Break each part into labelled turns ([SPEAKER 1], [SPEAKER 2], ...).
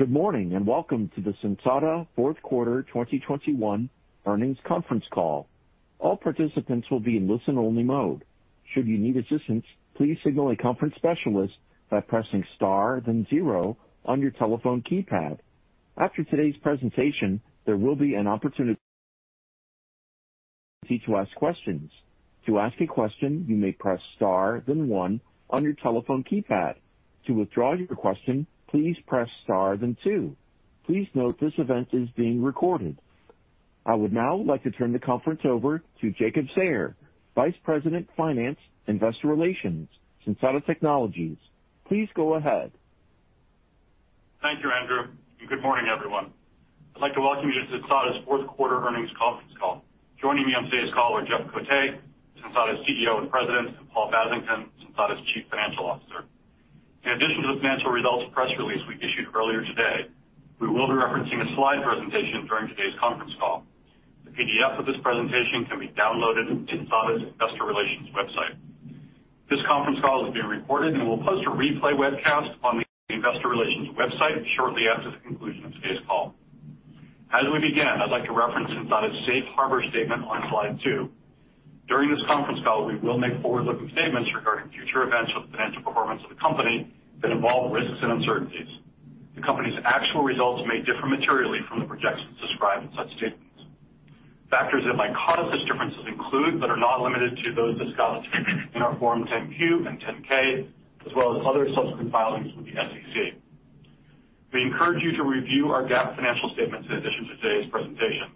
[SPEAKER 1] Good morning, and welcome to the Sensata fourth quarter 2021 earnings conference call. All participants will be in listen-only mode. Should you need assistance, please signal a conference specialist by pressing star, then zero on your telephone keypad. After today's presentation, there will be an opportunity to ask questions. To ask a question, you may press Star then one on your telephone keypad. To withdraw your question, please press star then two. Please note this event is being recorded. I would now like to turn the conference over to Jacob Sayer, Vice President, Finance, Investor Relations, Sensata Technologies. Please go ahead.
[SPEAKER 2] Thank you, Andrew, and good morning, everyone. I'd like to welcome you to Sensata's fourth quarter earnings conference call. Joining me on today's call are Jeff Coté, Sensata's CEO and President, and Paul Vasington, Sensata's Chief Financial Officer. In addition to the financial results press release we issued earlier today, we will be referencing a slide presentation during today's conference call. The PDF of this presentation can be downloaded from Sensata's Investor Relations website. This conference call is being recorded, and we'll post a replay webcast on the Investor Relations website shortly after the conclusion of today's call. As we begin, I'd like to reference Sensata's Safe Harbor statement on slide two. During this conference call, we will make forward-looking statements regarding future events or the financial performance of the company that involve risks and uncertainties. The company's actual results may differ materially from the projections described in such statements. Factors that might cause us differences include, but are not limited to, those discussed in our Form 10-Q and Form 10-K, as well as other subsequent filings with the SEC. We encourage you to review our GAAP financial statements in addition to today's presentation.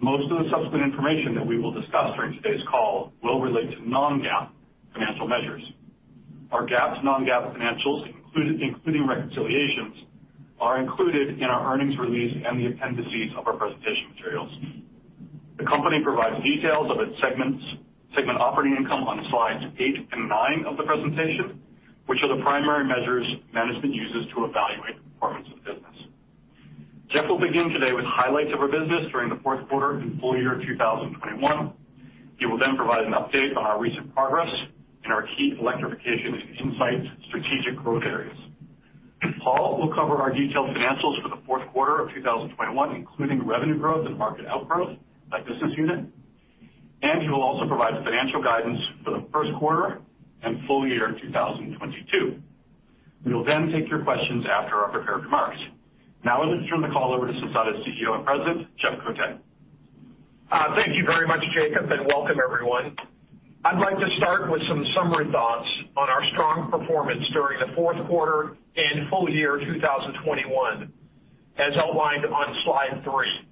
[SPEAKER 2] Most of the subsequent information that we will discuss during today's call will relate to non-GAAP financial measures. Our GAAP, non-GAAP financials, including reconciliations, are included in our earnings release and the appendices of our presentation materials. The company provides details of its segment operating income on slides eight and nine of the presentation, which are the primary measures management uses to evaluate the performance of the business. Jeff will begin today with highlights of our business during the fourth quarter and full year 2021. He will then provide an update on our recent progress and our key electrification and insights strategic growth areas. Paul will cover our detailed financials for the fourth quarter of 2021, including revenue growth and market outgrowth by business unit, and he will also provide financial guidance for the first quarter and full year 2022. We will then take your questions after our prepared remarks. Now I will turn the call over to Sensata CEO and President, Jeff Coté.
[SPEAKER 3] Thank you very much, Jacob, and welcome everyone. I'd like to start with some summary thoughts on our strong performance during the fourth quarter and full year 2021, as outlined on slide 3.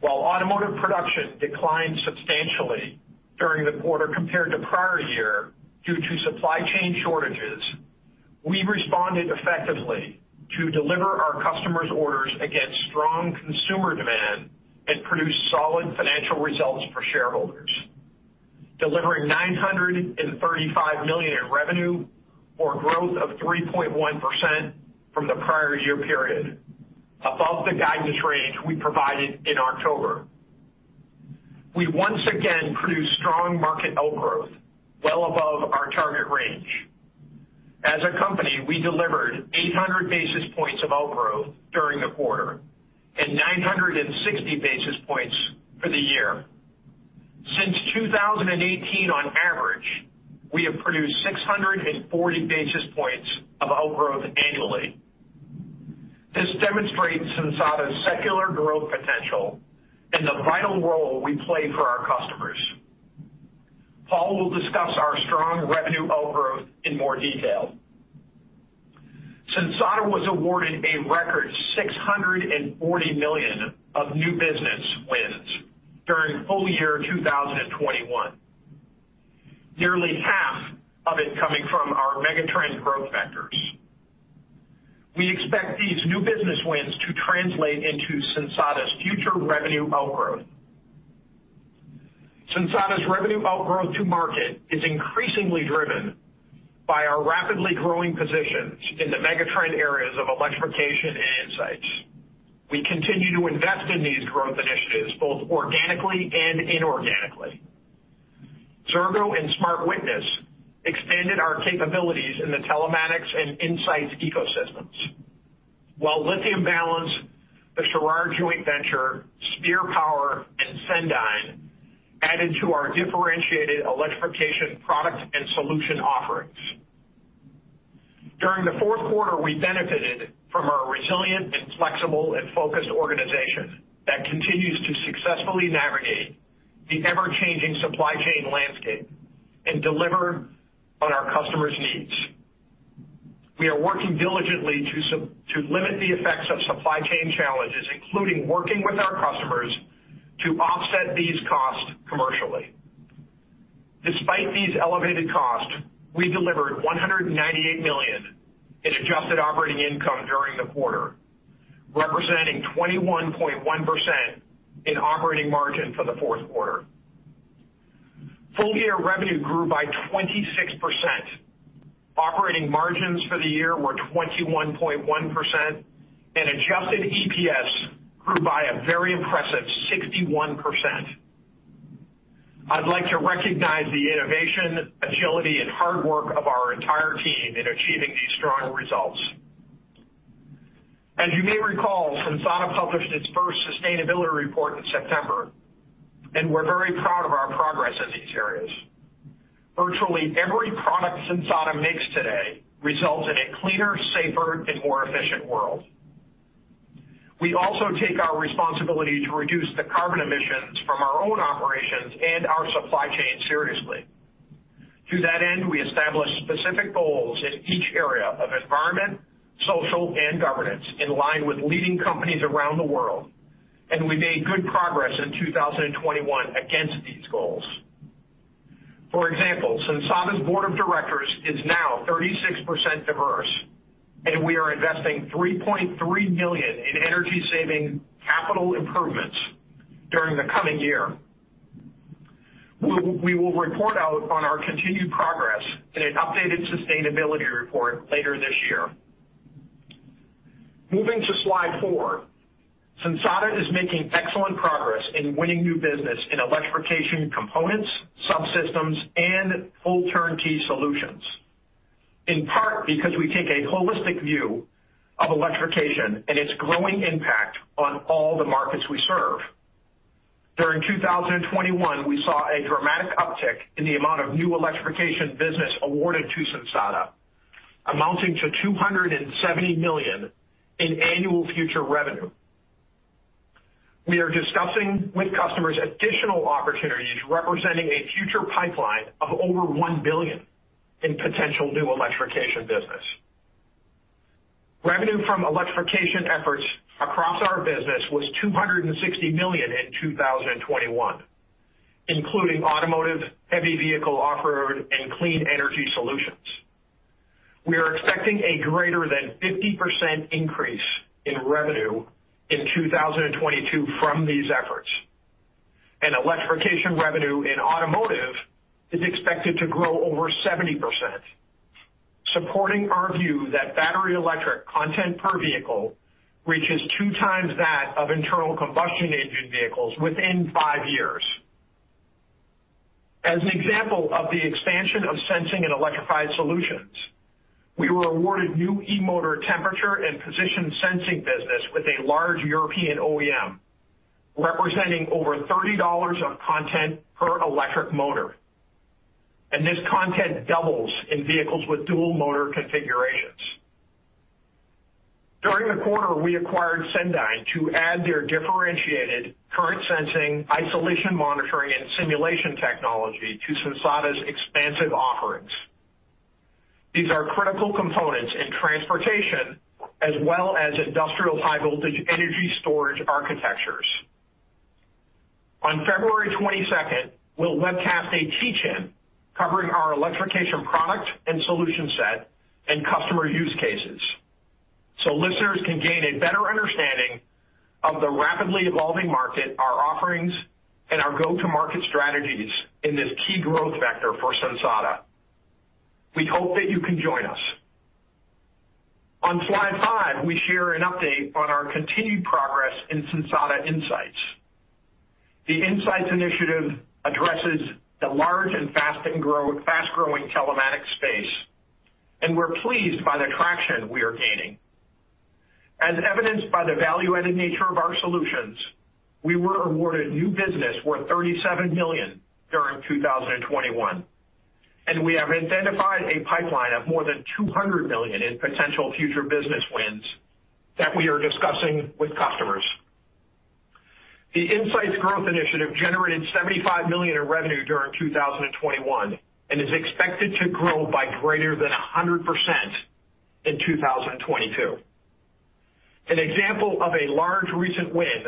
[SPEAKER 3] While automotive production declined substantially during the quarter compared to prior year due to supply chain shortages, we responded effectively to deliver our customers' orders against strong consumer demand and produce solid financial results for shareholders, delivering $935 million in revenue, or growth of 3.1% from the prior year period, above the guidance range we provided in October. We once again produced strong market outgrowth well above our target range. As a company, we delivered 800 basis points of outgrowth during the quarter and 960 basis points for the year. Since 2018 on average, we have produced 640 basis points of outgrowth annually. This demonstrates Sensata's secular growth potential and the vital role we play for our customers. Paul will discuss our strong revenue outgrowth in more detail. Sensata was awarded a record $640 million of new business wins during full year 2021. Nearly half of it coming from our megatrend growth vectors. We expect these new business wins to translate into Sensata's future revenue outgrowth. Sensata's revenue outgrowth to market is increasingly driven by our rapidly growing positions in the megatrend areas of electrification and Insights. We continue to invest in these growth initiatives both organically and inorganically. Xirgo and SmartWitness expanded our capabilities in the telematics and insights ecosystems. While Lithium Balance, the Churod Joint Venture, Spear Power and Sendyne added to our differentiated electrification product and solution offerings. During the fourth quarter, we benefited from our resilient and flexible and focused organization that continues to successfully navigate the ever-changing supply chain landscape and deliver on our customers' needs. We are working diligently to limit the effects of supply chain challenges, including working with our customers to offset these costs commercially. Despite these elevated costs, we delivered $198 million in adjusted operating income during the quarter, representing 21.1% operating margin for the fourth quarter. Full year revenue grew by 26%. Operating margins for the year were 21.1% and adjusted EPS grew by a very impressive 61%. I'd like to recognize the innovation, agility, and hard work of our entire team in achieving these strong results. As you may recall, Sensata published its first sustainability report in September, and we're very proud of our progress in these areas. Virtually every product Sensata makes today results in a cleaner, safer, and more efficient world. We also take our responsibility to reduce the carbon emissions from our own operations and our supply chain seriously. To that end, we established specific goals in each area of environment, social, and governance in line with leading companies around the world, and we made good progress in 2021 against these goals. For example, Sensata's board of directors is now 36% diverse, and we are investing $3.3 million in energy-saving capital improvements during the coming year. We will report out on our continued progress in an updated sustainability report later this year. Moving to slide four. Sensata is making excellent progress in winning new business in electrification components, subsystems, and full turnkey solutions, in part because we take a holistic view of electrification and its growing impact on all the markets we serve. During 2021, we saw a dramatic uptick in the amount of new electrification business awarded to Sensata, amounting to $270 million in annual future revenue. We are discussing with customers additional opportunities representing a future pipeline of over $1 billion in potential new electrification business. Revenue from electrification efforts across our business was $260 million in 2021, including automotive, heavy vehicle off-road, and clean energy solutions. We are expecting a greater than 50% increase in revenue in 2022 from these efforts. Electrification revenue in automotive is expected to grow over 70%, supporting our view that battery electric content per vehicle reaches two times that of internal combustion engine vehicles within five years. As an example of the expansion of sensing and electrified solutions, we were awarded new e-motor temperature and position sensing business with a large European OEM, representing over $30 of content per electric motor, and this content doubles in vehicles with dual motor configurations. During the quarter, we acquired Sendyne to add their differentiated current sensing, isolation monitoring, and simulation technology to Sensata's expansive offerings. These are critical components in transportation as well as industrial high voltage energy storage architectures. On February 22, we'll webcast a teach-in covering our electrification product and solution set and customer use cases, so listeners can gain a better understanding of the rapidly evolving market, our offerings, and our go-to-market strategies in this key growth vector for Sensata. We hope that you can join us. On slide five, we share an update on our continued progress in Sensata INSIGHTS. The INSIGHTS initiative addresses the large and fast-growing telematics space, and we're pleased by the traction we are gaining. As evidenced by the value-added nature of our solutions, we were awarded new business worth $37 million during 2021, and we have identified a pipeline of more than $200 million in potential future business wins that we are discussing with customers. The INSIGHTS growth initiative generated $75 million in revenue during 2021 and is expected to grow by greater than 100% in 2022. An example of a large recent win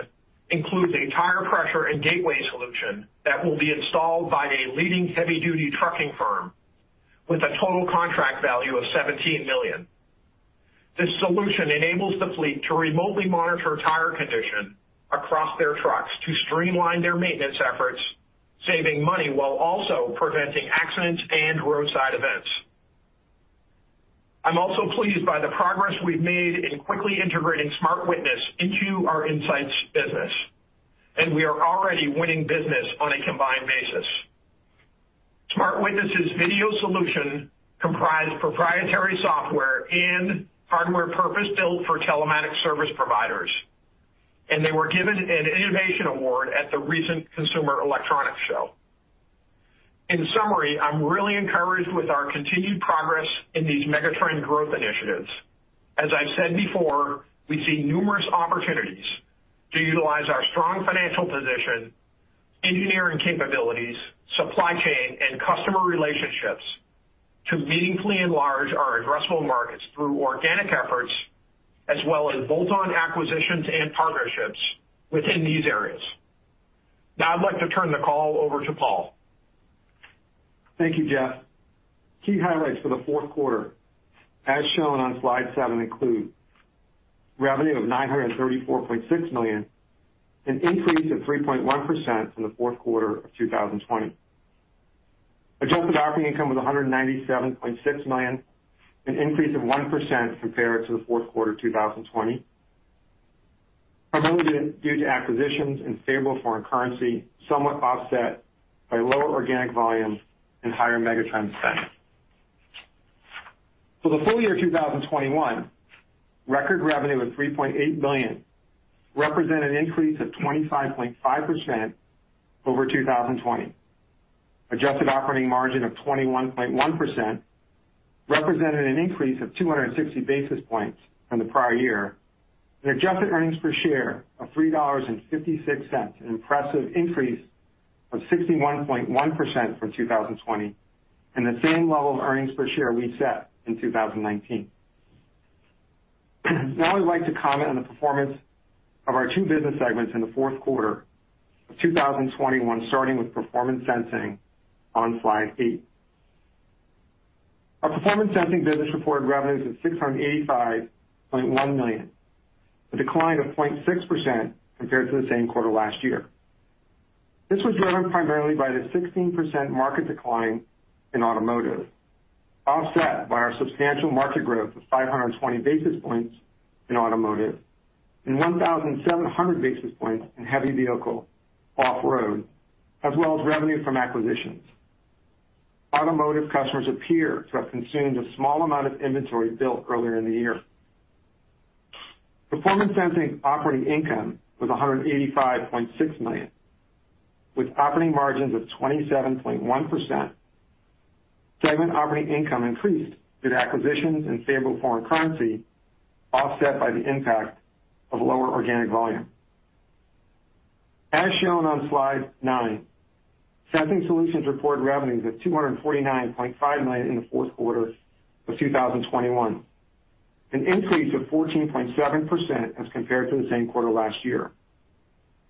[SPEAKER 3] includes a tire pressure and gateway solution that will be installed by a leading heavy-duty trucking firm with a total contract value of $17 million. This solution enables the fleet to remotely monitor tire condition across their trucks to streamline their maintenance efforts, saving money while also preventing accidents and roadside events. I'm also pleased by the progress we've made in quickly integrating SmartWitness into our INSIGHTS business, and we are already winning business on a combined basis. SmartWitness' video solution comprise proprietary software and hardware purpose-built for telematics service providers, and they were given an innovation award at the recent Consumer Electronics Show. In summary, I'm really encouraged with our continued progress in these megatrend growth initiatives. As I've said before, we see numerous opportunities to utilize our strong financial position, engineering capabilities, supply chain, and customer relationships to meaningfully enlarge our addressable markets through organic efforts as well as bolt-on acquisitions and partnerships within these areas. Now, I'd like to turn the call over to Paul.
[SPEAKER 4] Thank you, Jeff. Key highlights for the fourth quarter, as shown on slide seven, include revenue of $934.6 million, an increase of 3.1% from the fourth quarter of 2020. Adjusted operating income was $197.6 million, an increase of 1% compared to the fourth quarter of 2020. Primarily due to acquisitions in favorable foreign currency, somewhat offset by lower organic volumes and higher megatrend spend. For the full year 2021, record revenue of $3.8 billion represent an increase of 25.5% over 2020. Adjusted operating margin of 21.1% represented an increase of 260 basis points from the prior year. Adjusted earnings per share of $3.56, an impressive increase of 61.1% from 2020, and the same level of earnings per share we set in 2019. Now, I'd like to comment on the performance of our two business segments in the fourth quarter of 2021, starting with Performance Sensing on slide eight. Our Performance Sensing business reported revenues of $685.1 million, a decline of 0.6% compared to the same quarter last year. This was driven primarily by the 16% market decline in automotive, offset by our substantial market growth of 520 basis points in automotive and 1,700 basis points in heavy vehicle off-road, as well as revenue from acquisitions. Automotive customers appear to have consumed a small amount of inventory built earlier in the year. Performance Sensing operating income was $185.6 million, with operating margins of 27.1%. Segment operating income increased with acquisitions and favorable foreign currency, offset by the impact of lower organic volume. As shown on slide nine, Sensing Solutions reported revenues of $249.5 million in the fourth quarter of 2021, an increase of 14.7% as compared to the same quarter last year.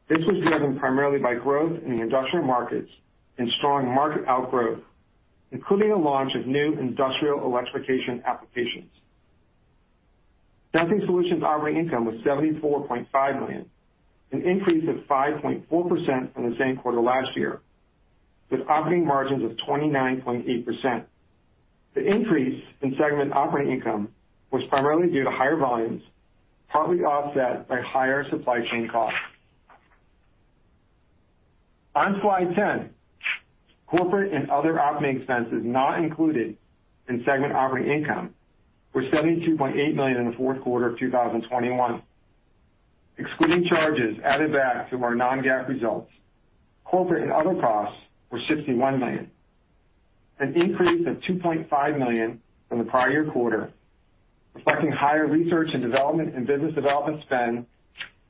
[SPEAKER 4] This was driven primarily by growth in the industrial markets and strong market outgrowth, including the launch of new industrial electrification applications. Sensing Solutions operating income was $74.5 million, an increase of 5.4% from the same quarter last year, with operating margins of 29.8%. The increase in segment operating income was primarily due to higher volumes, partly offset by higher supply chain costs. On slide 10, corporate and other operating expenses not included in segment operating income were $72.8 million in the fourth quarter of 2021. Excluding charges added back to our non-GAAP results, corporate and other costs were $61 million, an increase of $2.5 million from the prior year quarter, reflecting higher research and development and business development spend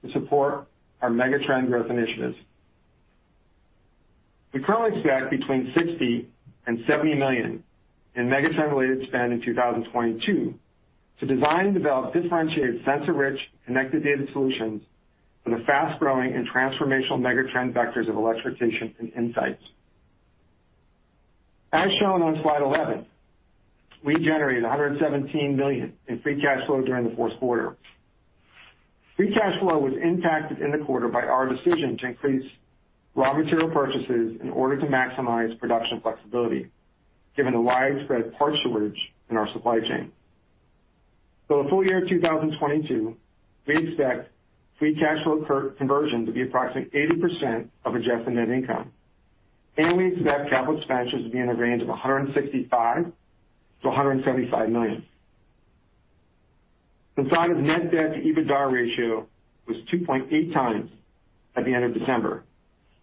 [SPEAKER 4] to support our megatrend growth initiatives. We currently expect between $60 million and $70 million in megatrend-related spend in 2022 to design and develop differentiated sensor-rich connected data solutions for the fast-growing and transformational megatrend vectors of electrification and insights. As shown on slide 11, we generated $117 million in free cash flow during the fourth quarter. Free cash flow was impacted in the quarter by our decision to increase raw material purchases in order to maximize production flexibility, given the widespread part shortage in our supply chain. For the full year of 2022, we expect free cash flow conversion to be approximately 80% of adjusted net income, and we expect capital expenditures to be in the range of $165 million to $175 million. Sensata's net debt to EBITDA ratio was 2.8 times at the end of December,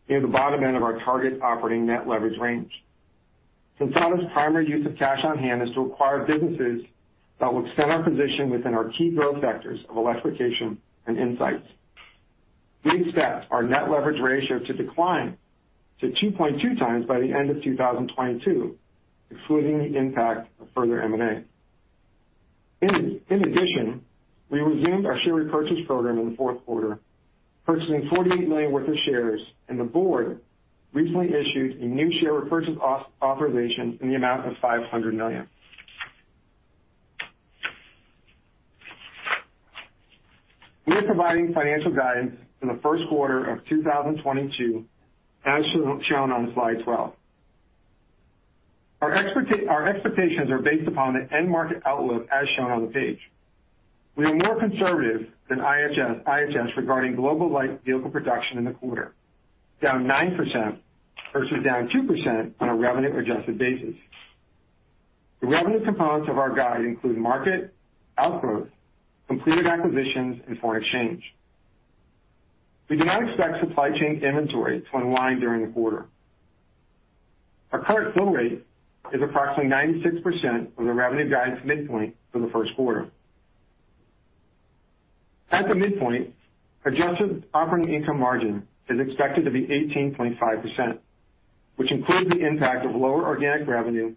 [SPEAKER 4] near the bottom end of our target operating net leverage range. Sensata's primary use of cash on hand is to acquire businesses that will extend our position within our key growth sectors of electrification and insights. We expect our net leverage ratio to decline to 2.2 times by the end of 2022, excluding the impact of further M&A. In addition, we resumed our share repurchase program in the fourth quarter, purchasing $48 million worth of shares, and the board recently issued a new share repurchase authorization in the amount of $500 million. We are providing financial guidance for the first quarter of 2022, as shown on slide 12. Our expectations are based upon the end market outlook as shown on the page. We are more conservative than IHS regarding global light vehicle production in the quarter, down 9% versus down 2% on a revenue adjusted basis. The revenue components of our guide include market outgrowth, completed acquisitions, and foreign exchange. We do not expect supply chain inventory to unwind during the quarter. Our current fill rate is approximately 96% of the revenue guidance midpoint for the first quarter. At the midpoint, adjusted operating income margin is expected to be 18.5%, which includes the impact of lower organic revenue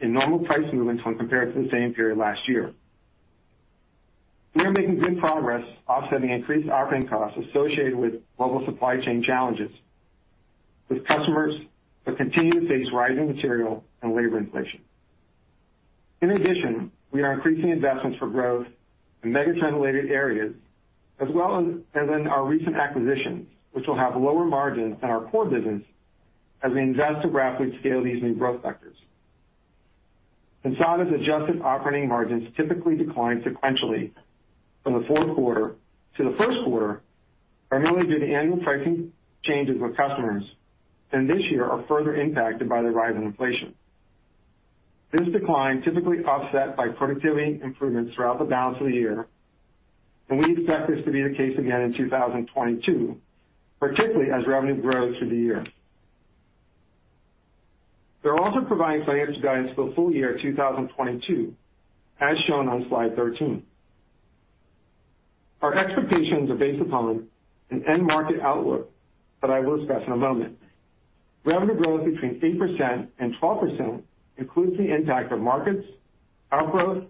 [SPEAKER 4] and normal price movements when compared to the same period last year. We are making good progress offsetting increased operating costs associated with global supply chain challenges, with customers that continue to face rising material and labor inflation. In addition, we are increasing investments for growth in megatrend-related areas as well as in our recent acquisitions, which will have lower margins than our core business as we invest to rapidly scale these new growth sectors. Sensata's adjusted operating margins typically decline sequentially from the fourth quarter to the first quarter, primarily due to annual pricing changes with customers, and this year are further impacted by the rise in inflation. This decline is typically offset by productivity improvements throughout the balance of the year, and we expect this to be the case again in 2022, particularly as revenue grows through the year. We're also providing financial guidance for full year 2022, as shown on slide 13. Our expectations are based upon an end market outlook that I will discuss in a moment. Revenue growth between 8% and 12% includes the impact of markets, outgrowth,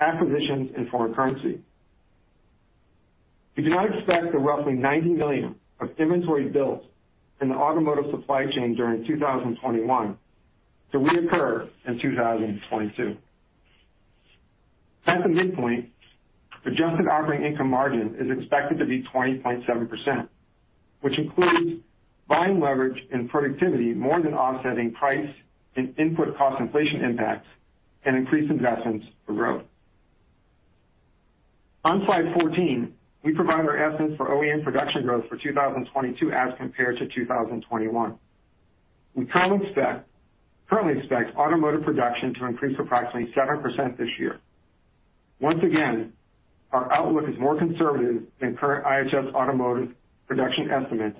[SPEAKER 4] acquisitions, and foreign currency. We do not expect the roughly $90 million of inventory built in the automotive supply chain during 2021 to reoccur in 2022. At the midpoint, adjusted operating income margin is expected to be 20.7%, which includes buying leverage and productivity more than offsetting price and input cost inflation impacts and increased investments for growth. On slide 14, we provide our estimates for OEM production growth for 2022 as compared to 2021. We currently expect automotive production to increase approximately 7% this year. Once again, our outlook is more conservative than current IHS Markit production estimates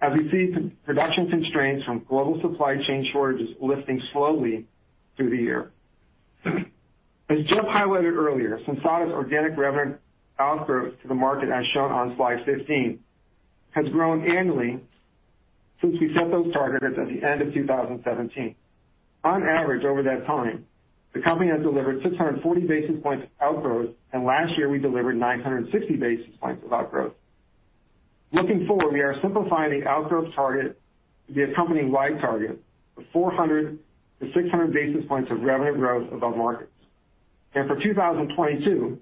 [SPEAKER 4] as we see production constraints from global supply chain shortages lifting slowly through the year. As Jeff highlighted earlier, Sensata's organic revenue outgrowth to the market, as shown on slide 15, has grown annually since we set those targets at the end of 2017. On average, over that time, the company has delivered 640 basis points of outgrowth, and last year we delivered 960 basis points of outgrowth. Looking forward, we are simplifying the outgrowth target to the accompanying long-term target of 400 basis point to 600 basis points of revenue growth above markets. For 2022,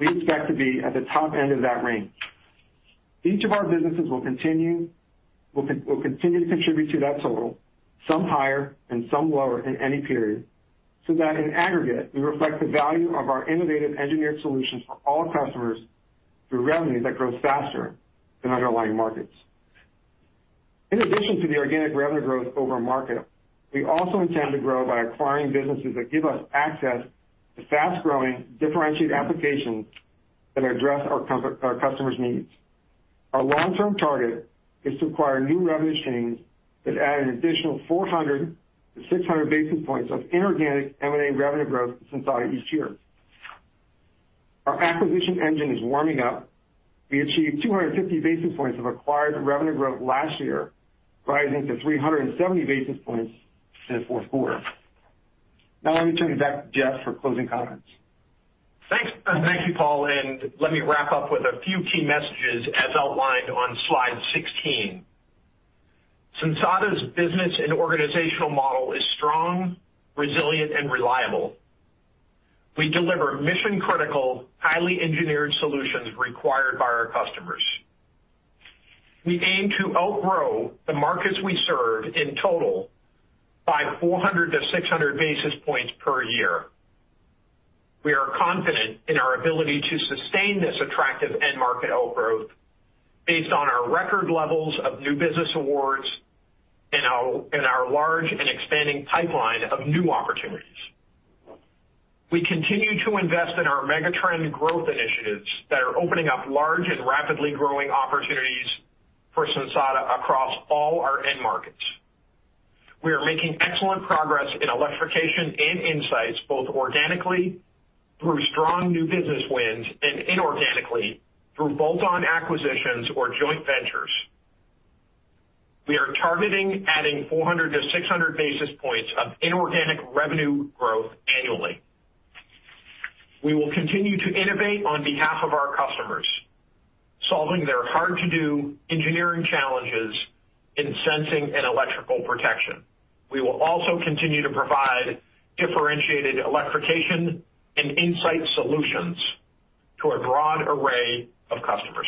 [SPEAKER 4] we expect to be at the top end of that range. Each of our businesses will continue to contribute to that total, some higher and some lower in any period, so that in aggregate, we reflect the value of our innovative engineered solutions for all customers through revenue that grows faster than underlying markets. In addition to the organic revenue growth over market, we also intend to grow by acquiring businesses that give us access to fast-growing, differentiated applications that address our customers' needs. Our long-term target is to acquire new revenue streams that add an additional 400 basis point to 600 basis points of inorganic M&A revenue growth to Sensata each year. Our acquisition engine is warming up. We achieved 250 basis points of acquired revenue growth last year, rising to 370 basis points in the fourth quarter. Now let me turn it back to Jeff for closing comments.
[SPEAKER 3] Thanks. Thank you, Paul, and let me wrap up with a few key messages as outlined on slide 16. Sensata's business and organizational model is strong, resilient, and reliable. We deliver mission-critical, highly engineered solutions required by our customers. We aim to outgrow the markets we serve in total by 400 basis point to 600 basis points per year. We are confident in our ability to sustain this attractive end market outgrowth based on our record levels of new business awards and our large and expanding pipeline of new opportunities. We continue to invest in our megatrend growth initiatives that are opening up large and rapidly growing opportunities for Sensata across all our end markets. We are making excellent progress in electrification and insights, both organically through strong new business wins and inorganically through bolt-on acquisitions or joint ventures. We are targeting adding 400 basis point to 600 basis points of inorganic revenue growth annually. We will continue to innovate on behalf of our customers, solving their hard-to-do engineering challenges in sensing and electrical protection. We will also continue to provide differentiated electrification and insight solutions to a broad array of customers.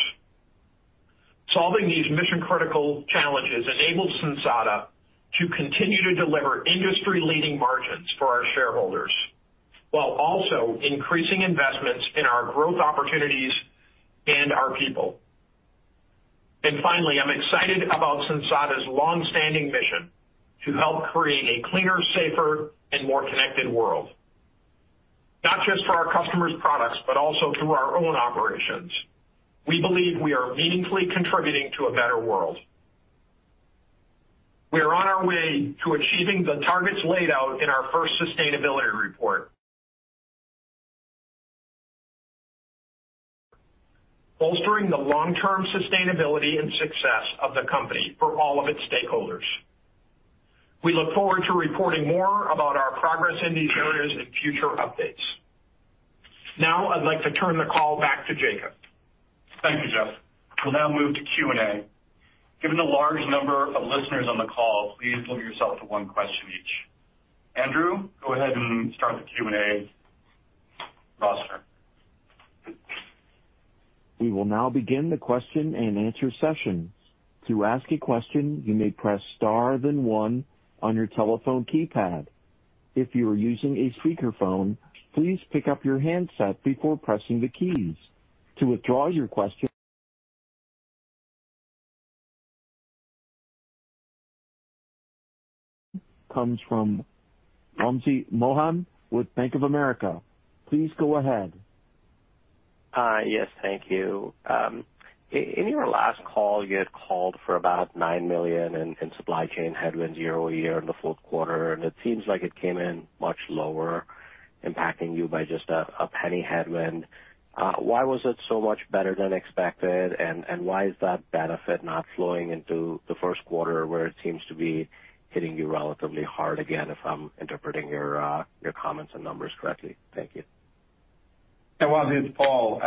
[SPEAKER 3] Solving these mission-critical challenges enables Sensata to continue to deliver industry-leading margins for our shareholders, while also increasing investments in our growth opportunities and our people. Finally, I'm excited about Sensata's longstanding mission to help create a cleaner, safer, and more connected world, not just for our customers' products, but also through our own operations. We believe we are meaningfully contributing to a better world. We are on our way to achieving the targets laid out in our first sustainability report, bolstering the long-term sustainability and success of the company for all of its stakeholders. We look forward to reporting more about our progress in these areas in future updates. Now I'd like to turn the call back to Jacob.
[SPEAKER 2] Thank you, Jeff. We'll now move to Q&A. Given the large number of listeners on the call, please limit yourself to one question each. Andrew, go ahead and start the Q&A roster.
[SPEAKER 1] Comes from Wamsi Mohan with Bank of America. Please go ahead.
[SPEAKER 5] Hi. Yes, thank you. In your last call, you had called for about $9 million in supply chain headwinds year-over-year in the fourth quarter, and it seems like it came in much lower, impacting you by just a $0.01 headwind. Why was it so much better than expected? Why is that benefit not flowing into the first quarter, where it seems to be hitting you relatively hard again, if I'm interpreting your comments and numbers correctly? Thank you.
[SPEAKER 3] Yeah, Wamsi, it's Paul.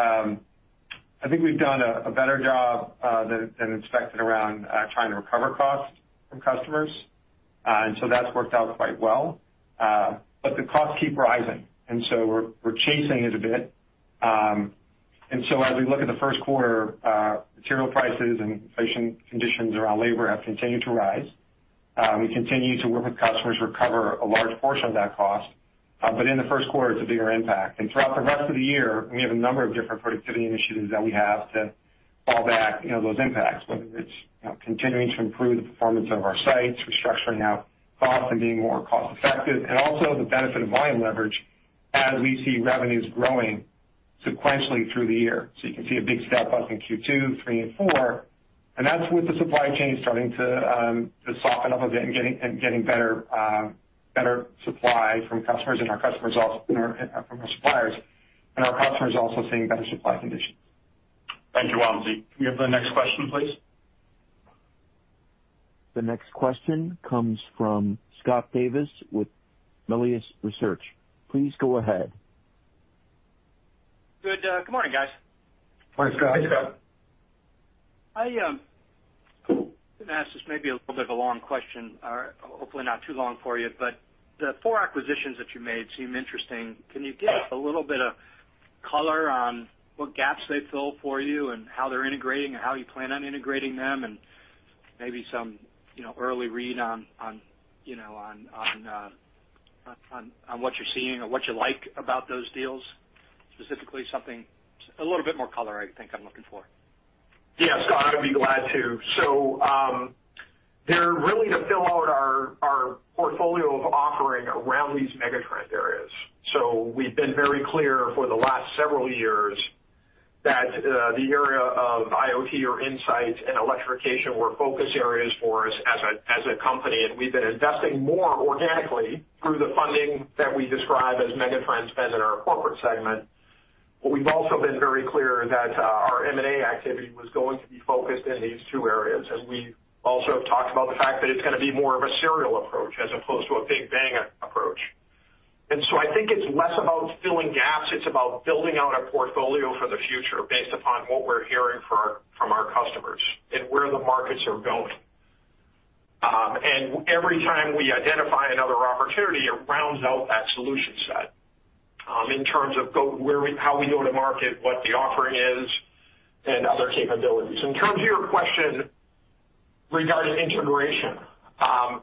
[SPEAKER 3] I think we've done a better job than expected around trying to recover costs from customers. That's worked out quite well. The costs keep rising, and so we're chasing it a bit. As we look at the first quarter, material prices and inflation conditions around labor have continued to rise. We continue to work with customers to recover a large portion of that cost. In the first quarter, it's a bigger impact. Throughout the rest of the year, we have a number of different productivity initiatives that we have to fall back, you know, those impacts, whether it's, you know, continuing to improve the performance of our sites, restructuring out costs and being more cost effective, and also the benefit of volume leverage as we see revenues growing sequentially through the year. You can see a big step up in Q2, Q3 and Q4, and that's with the supply chain starting to soften up a bit and getting better supply from our customers and from our suppliers. Our customers are also seeing better supply conditions.
[SPEAKER 2] Thank you, Wamsi. Can we have the next question, please?
[SPEAKER 1] The next question comes from Scott Davis with Melius Research. Please go ahead.
[SPEAKER 6] Good morning, guys.
[SPEAKER 3] Morning, Scott.
[SPEAKER 5] Hey, Scott.
[SPEAKER 6] I'm gonna ask this maybe a little bit of a long question, or hopefully not too long for you. The four acquisitions that you made seem interesting. Can you give a little bit of color on what gaps they fill for you and how they're integrating and how you plan on integrating them and maybe some, you know, early read on what you're seeing or what you like about those deals? Specifically, something. A little bit more color, I think I'm looking for.
[SPEAKER 3] Yeah, Scott, I'd be glad to. They're really there to fill out our portfolio of offerings around these megatrend areas. We've been very clear for the last several years that the area of IoT or Insights and electrification were focus areas for us as a company. We've been investing more organically through the funding that we describe as megatrend spend in our corporate segment. We've also been very clear that our M&A activity was going to be focused in these two areas. We also have talked about the fact that it's gonna be more of a serial approach as opposed to a big bang approach. I think it's less about filling gaps. It's about building out a portfolio for the future based upon what we're hearing from our customers and where the markets are going. Every time we identify another opportunity, it rounds out that solution set in terms of how we go to market, what the offering is, and other capabilities. In terms of your question regarding integration,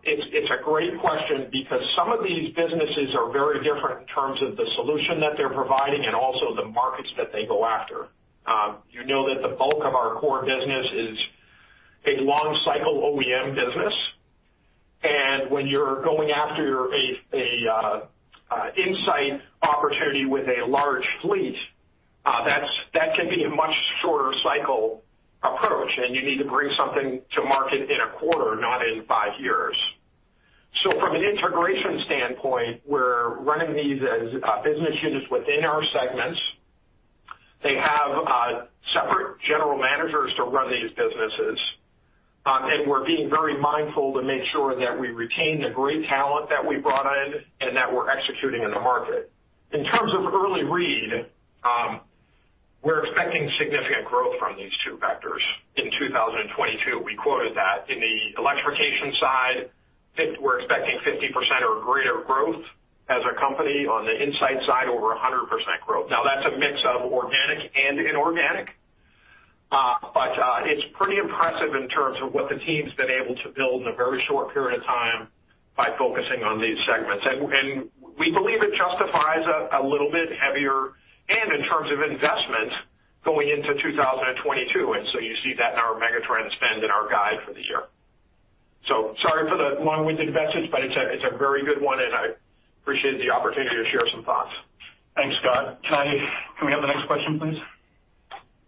[SPEAKER 3] it's a great question because some of these businesses are very different in terms of the solution that they're providing and also the markets that they go after. You know that the bulk of our core business is a long cycle OEM business. When you're going after an INSIGHTS opportunity with a large fleet, that's a much shorter cycle approach, and you need to bring something to market in a quarter, not in five years. From an integration standpoint, we're running these as business units within our segments. They have separate general managers to run these businesses. We're being very mindful to make sure that we retain the great talent that we brought in and that we're executing in the market. In terms of early read, we're expecting significant growth from these two vectors in 2022. We quoted that. In the electrification side, we're expecting 50% or greater growth as a company. On the insight side, over 100% growth. Now, that's a mix of organic and inorganic. It's pretty impressive in terms of what the team's been able to build in a very short period of time by focusing on these segments. We believe it justifies a little bit heavier investment going into 2022, and you see that in our megatrend spend and our guide for the year. Sorry for the long-winded message, but it's a very good one, and I appreciate the opportunity to share some thoughts.
[SPEAKER 2] Thanks, Scott. Can we have the next question, please?
[SPEAKER 1] Yes.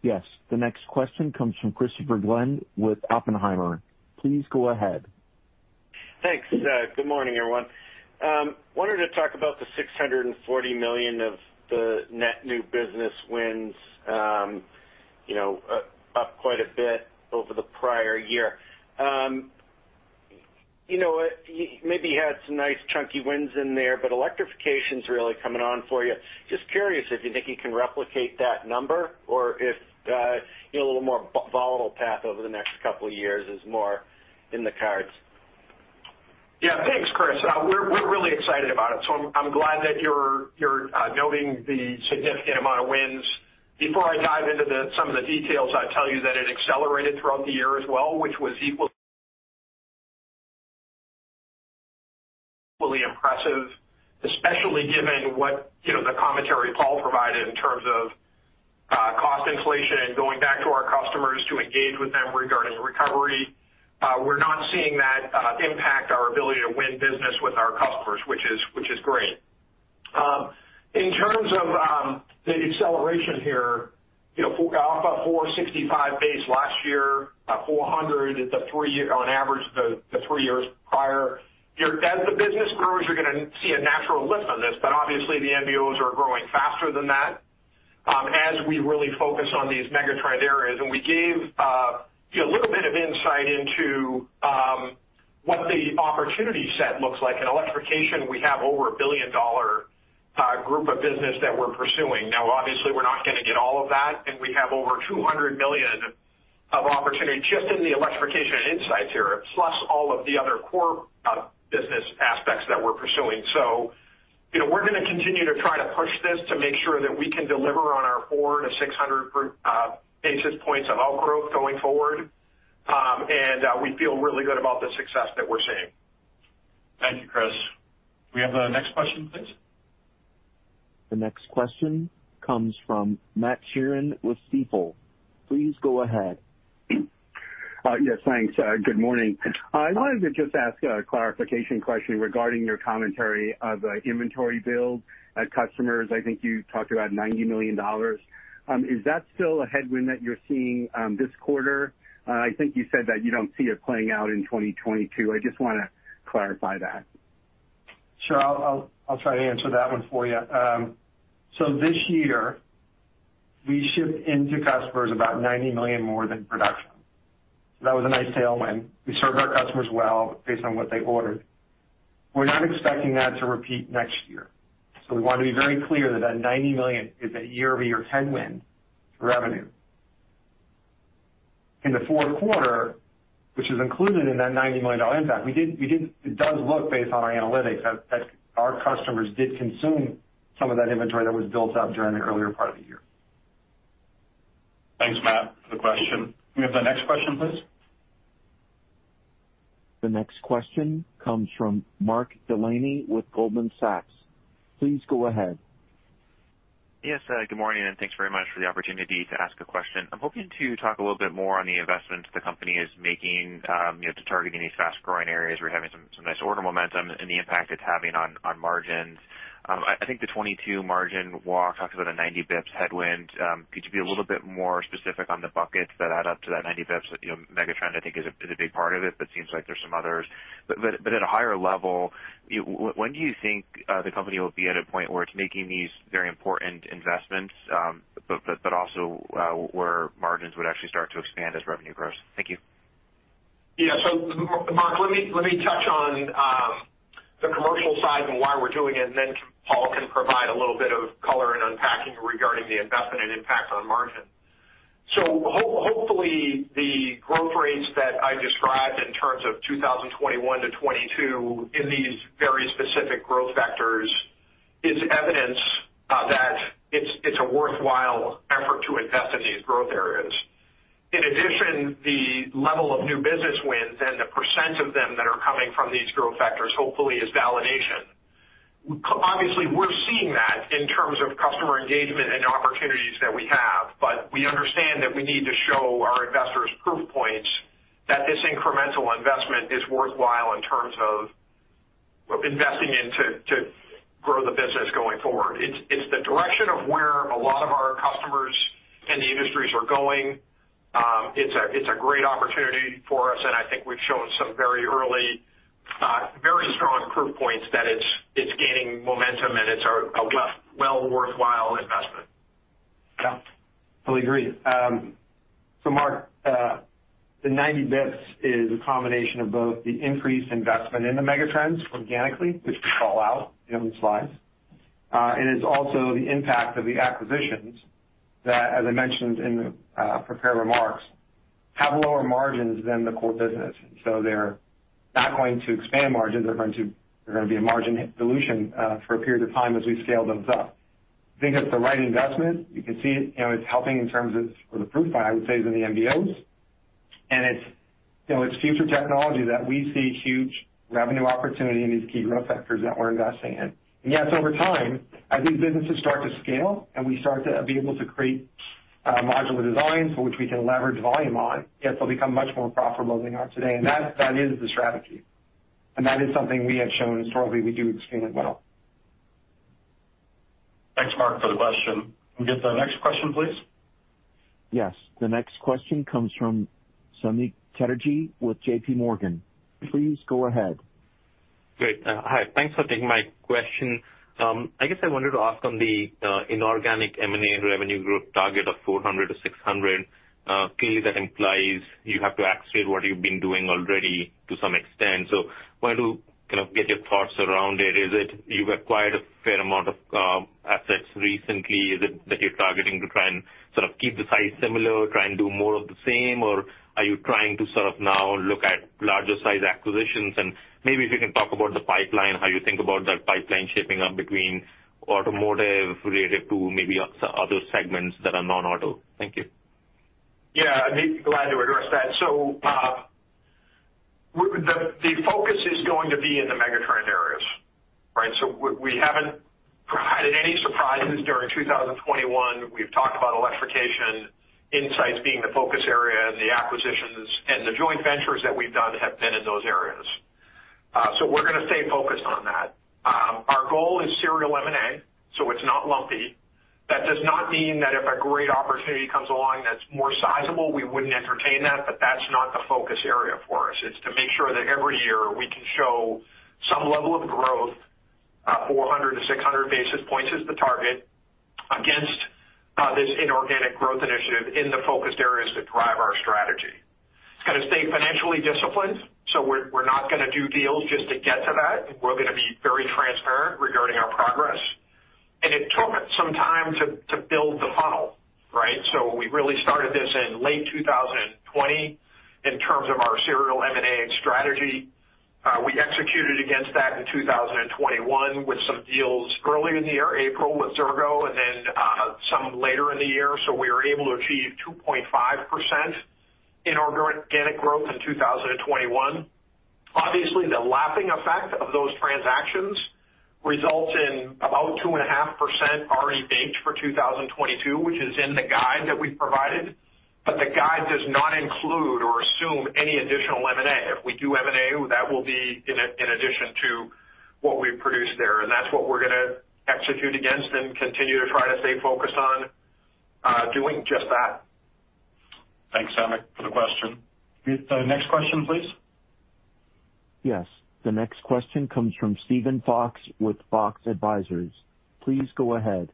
[SPEAKER 1] The next question comes from Christopher Glynn with Oppenheimer. Please go ahead.
[SPEAKER 7] Thanks. Good morning, everyone. Wanted to talk about the $640 million of the net new business wins, you know, up quite a bit over the prior year. You know, you maybe had some nice chunky wins in there, but electrification's really coming on for you. Just curious if you think you can replicate that number or if, you know, a little more volatile path over the next couple of years is more in the cards.
[SPEAKER 3] Yeah. Thanks, Chris. We're really excited about it, so I'm glad that you're noting the significant amount of wins. Before I dive into some of the details, I'd tell you that it accelerated throughout the year as well, which was equally impressive, especially given what, you know, the commentary Paul provided in terms of cost inflation and going back to our customers to engage with them regarding recovery. We're not seeing that impact our ability to win business with our customers, which is great. In terms of the acceleration here, you know, off a 465 base last year, a 400, the three-year average, the three years prior. As the business grows, you're gonna see a natural lift on this, but obviously the NBOs are growing faster than that, as we really focus on these megatrend areas. We gave you a little bit of insight into what the opportunity set looks like. In electrification, we have over a $1 billion group of business that we're pursuing. Now, obviously, we're not gonna get all of that, and we have over $200 million of opportunity just in the electrification and insights area, plus all of the other core business aspects that we're pursuing. You know, we're gonna continue to try to push this to make sure that we can deliver on our 400 basis points to 600 basis points of outgrowth going forward. We feel really good about the success that we're seeing.
[SPEAKER 2] Thank you, Chris. Can we have the next question, please?
[SPEAKER 1] The next question comes from Matt Sheerin with Stifel. Please go ahead.
[SPEAKER 8] Yes, thanks. Good morning. I wanted to just ask a clarification question regarding your commentary of inventory build, customers. I think you talked about $90 million. Is that still a headwind that you're seeing this quarter? I think you said that you don't see it playing out in 2022. I just wanna clarify that.
[SPEAKER 3] Sure. I'll try to answer that one for you. This year, we shipped into customers about $90 million more than production. That was a nice tailwind. We served our customers well based on what they ordered. We're not expecting that to repeat next year, we want to be very clear that that $90 million is a year-over-year headwind to revenue. In the fourth quarter, which is included in that $90 million impact, it does look based on our analytics that our customers did consume some of that inventory that was built up during the earlier part of the year.
[SPEAKER 2] Thanks, Matt, for the question. Can we have the next question, please?
[SPEAKER 1] The next question comes from Mark Delaney with Goldman Sachs. Please go ahead.
[SPEAKER 9] Yes, good morning, and thanks very much for the opportunity to ask a question. I'm hoping to talk a little bit more on the investments the company is making, you know, to target in these fast-growing areas. We're having some nice order momentum and the impact it's having on margins. I think the 2022 margin walk talks about a 90 basis points headwind. Could you be a little bit more specific on the buckets that add up to that 90 basis points? You know, megatrend, I think is a big part of it, but seems like there's some others. At a higher level, when do you think the company will be at a point where it's making these very important investments, but also where margins would actually start to expand as revenue grows? Thank you.
[SPEAKER 3] Yeah. Mark, let me touch on the commercial side and why we're doing it, and then Paul can provide a little bit of color in unpacking regarding the investment and impact on margin. Hopefully, the growth rates that I described in terms of 2021 to 2022 in these very specific growth vectors is evidence that it's a worthwhile effort to invest in these growth areas. In addition, the level of new business wins and the percent of them that are coming from these growth vectors hopefully is validation. Obviously, we're seeing that in terms of customer engagement and opportunities that we have, but we understand that we need to show our investors proof points that this incremental investment is worthwhile in terms of investing in to grow the business going forward. It's the direction of where a lot of our customers and the industries are going. It's a great opportunity for us, and I think we've shown some very early, very strong proof points that it's gaining momentum, and it's a well worthwhile investment.
[SPEAKER 2] Yeah.
[SPEAKER 3] Fully agree. Mark, the 90 basis points is a combination of both the increased investment in the megatrends organically, which could fall out, you know, in slides. It's also the impact of the acquisitions that, as I mentioned in the prepared remarks, have lower margins than the core business. They're not going to expand margins. They're going to be a margin dilution for a period of time as we scale those up. I think it's the right investment. You can see, you know, it's helping in terms of the proof is, I would say, in the NBOs. It's, you know, it's future technology that we see huge revenue opportunity in these key growth sectors that we're investing in. Yes, over time, as these businesses start to scale, and we start to be able to create, modular designs for which we can leverage volume on, yes, they'll become much more profitable than they are today. That is the strategy. That is something we have shown historically we do execute well.
[SPEAKER 2] Thanks, Mark, for the question. Can we get the next question, please?
[SPEAKER 1] Yes. The next question comes from Samik Chatterjee with J.P. Morgan. Please go ahead.
[SPEAKER 10] Great. Hi. Thanks for taking my question. I guess I wanted to ask on the inorganic M&A revenue growth target of 400 to 600. Clearly, that implies you have to accelerate what you've been doing already to some extent. Wanted to kind of get your thoughts around it. Is it you've acquired a fair amount of assets recently? Is it that you're targeting to try and sort of keep the size similar, try and do more of the same? Or are you trying to sort of now look at larger size acquisitions? Maybe if you can talk about the pipeline, how you think about that pipeline shaping up between automotive related to maybe other segments that are non-auto. Thank you.
[SPEAKER 3] Yeah. Glad to address that. The focus is going to be in the megatrend areas, right? We haven't provided any surprises during 2021. We've talked about electrification insights being the focus area, and the acquisitions, and the joint ventures that we've done have been in those areas. We're gonna stay focused on that. Our goal is serial M&A, so it's not lumpy. That does not mean that if a great opportunity comes along that's more sizable, we wouldn't entertain that, but that's not the focus area for us. It's to make sure that every year we can show some level of growth, 400 basis points to 600 basis points is the target against this inorganic growth initiative in the focused areas that drive our strategy. It's gonna stay financially disciplined, so we're not gonna do deals just to get to that. We're gonna be very transparent regarding our progress. It took some time to build the funnel, right? We really started this in late 2020 in terms of our serial M&A strategy. We executed against that in 2021 with some deals early in the year, April with Xirgo and then some later in the year. We were able to achieve 2.5% inorganic growth in 2021. Obviously, the lapping effect of those transactions results in about 2.5% already baked for 2022, which is in the guide that we provided. The guide does not include or assume any additional M&A. If we do M&A, that will be in addition to what we produce there, and that's what we're gonna execute against and continue to try to stay focused on doing just that.
[SPEAKER 2] Thanks, Samik, for the question. The next question, please.
[SPEAKER 1] Yes. The next question comes from Steven Fox with Fox Advisors. Please go ahead.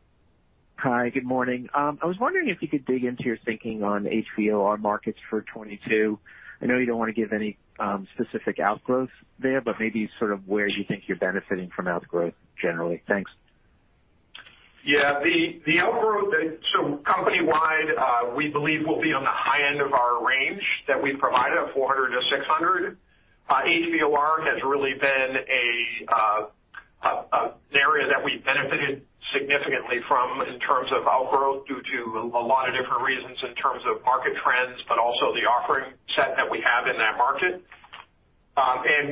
[SPEAKER 11] Hi, good morning. I was wondering if you could dig into your thinking on HVOR markets for 2022. I know you don't wanna give any specific outlooks there, but maybe sort of where you think you're benefiting from growth generally. Thanks.
[SPEAKER 3] Yeah. The outgrowth. Company-wide, we believe will be on the high end of our range that we provided of 400 to 600. HVOR has really been an area that we benefited significantly from in terms of outgrowth due to a lot of different reasons in terms of market trends, but also the offering set that we have in that market.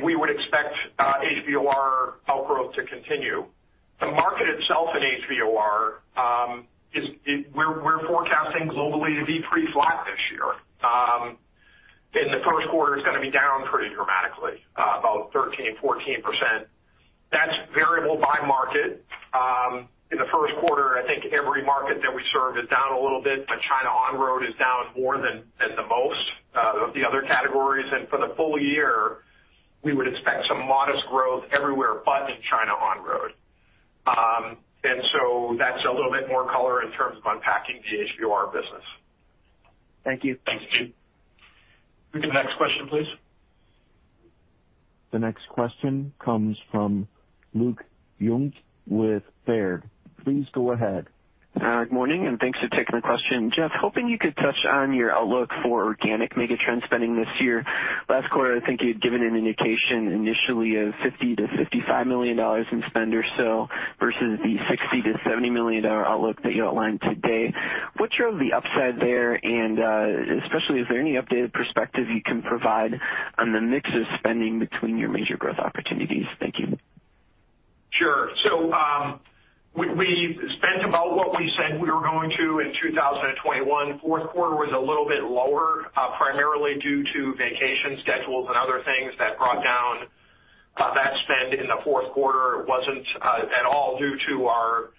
[SPEAKER 3] We would expect HVOR outgrowth to continue. The market itself in HVOR is. We're forecasting globally to be pretty flat this year. In the first quarter, it's gonna be down pretty dramatically, about 13% to 14%. That's variable by market. In the first quarter, I think every market that we serve is down a little bit, but China on-road is down more than the most of the other categories. For the full year, we would expect some modest growth everywhere but in China on-road. That's a little bit more color in terms of unpacking the HVOR business.
[SPEAKER 11] Thank you.
[SPEAKER 3] Thanks, Steve.
[SPEAKER 2] The next question, please.
[SPEAKER 1] The next question comes from Luke Junk with Baird. Please go ahead.
[SPEAKER 12] Good morning, and thanks for taking the question. Jeff, hoping you could touch on your outlook for organic megatrend spending this year. Last quarter, I think you'd given an indication initially of $50 million to $55 million in spend or so versus the $60 million to $70 million outlook that you outlined today. What drove the upside there? Especially is there any updated perspective you can provide on the mix of spending between your major growth opportunities? Thank you.
[SPEAKER 3] We spent about what we said we were going to in 2021. Fourth quarter was a little bit lower, primarily due to vacation schedules and other things that brought down that spend in the fourth quarter. It wasn't at all due to our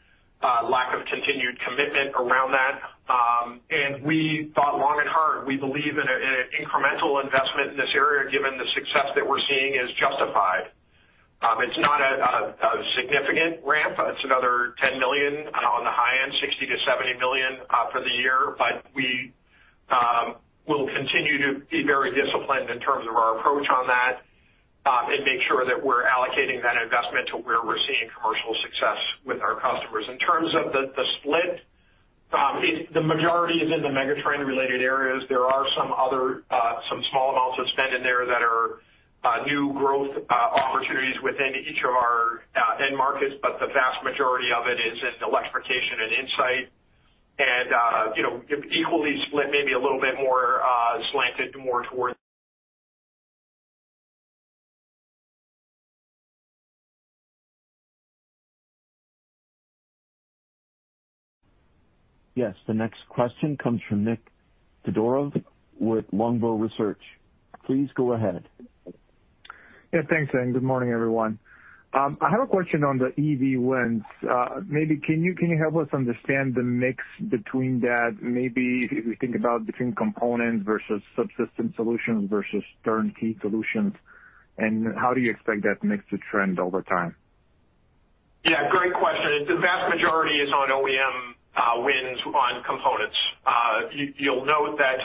[SPEAKER 3] lack of continued commitment around that. We thought long and hard. We believe in an incremental investment in this area, given the success that we're seeing is justified. It's not a significant ramp. It's another $10 million on the high end, $60 million to $70 million for the year. We will continue to be very disciplined in terms of our approach on that, and make sure that we're allocating that investment to where we're seeing commercial success with our customers. In terms of the split, the majority is in the megatrend-related areas. There are some other, some small amounts of spend in there that are new growth opportunities within each of our end markets, but the vast majority of it is in electrification and Insights. You know, equally split, maybe a little bit more slanted more towards-
[SPEAKER 1] Yes. The next question comes from Nikolay Todorov with Longbow Research. Please go ahead.
[SPEAKER 13] Yeah, thanks. Good morning, everyone. I have a question on the EV wins. Maybe can you help us understand the mix between that? Maybe if we think about between components versus subsystem solutions versus turnkey solutions, and how do you expect that mix to trend over time?
[SPEAKER 3] Yeah, great question. The vast majority is on OEM wins on components. You'll note that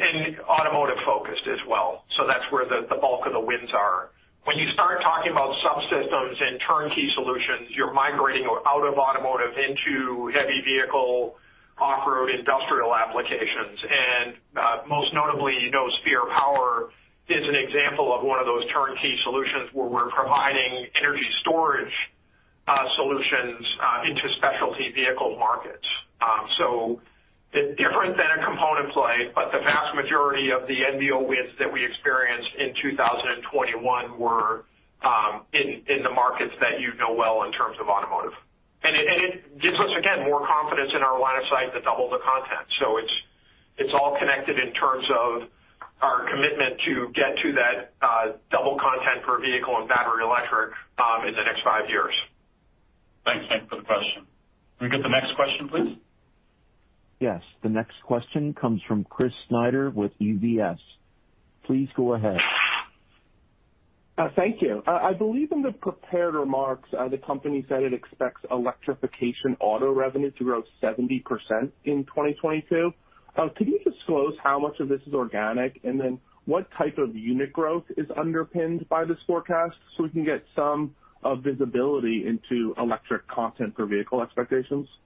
[SPEAKER 3] and automotive-focused as well. That's where the bulk of the wins are. When you start talking about subsystems and turnkey solutions, you're migrating out of automotive into heavy vehicle, off-road industrial applications. Most notably, you know, Spear Power is an example of one of those turnkey solutions where we're providing energy storage solutions into specialty vehicle markets. It's different than a component play, but the vast majority of the NBO wins that we experienced in 2021 were in the markets that you know well in terms of automotive. It gives us, again, more confidence in our line of sight to double the content. It's all connected in terms of our commitment to get to that double content per vehicle in battery electric in the next five years.
[SPEAKER 2] Thanks for the question. Can we get the next question, please?
[SPEAKER 1] Yes. The next question comes from Chris Snyder with UBS. Please go ahead.
[SPEAKER 14] Thank you. I believe in the prepared remarks, the company said it expects electrification auto revenue to grow 70% in 2022. Could you disclose how much of this is organic? What type of unit growth is underpinned by this forecast so we can get some visibility into electric content for vehicle expectations?
[SPEAKER 3] Yeah. Yes.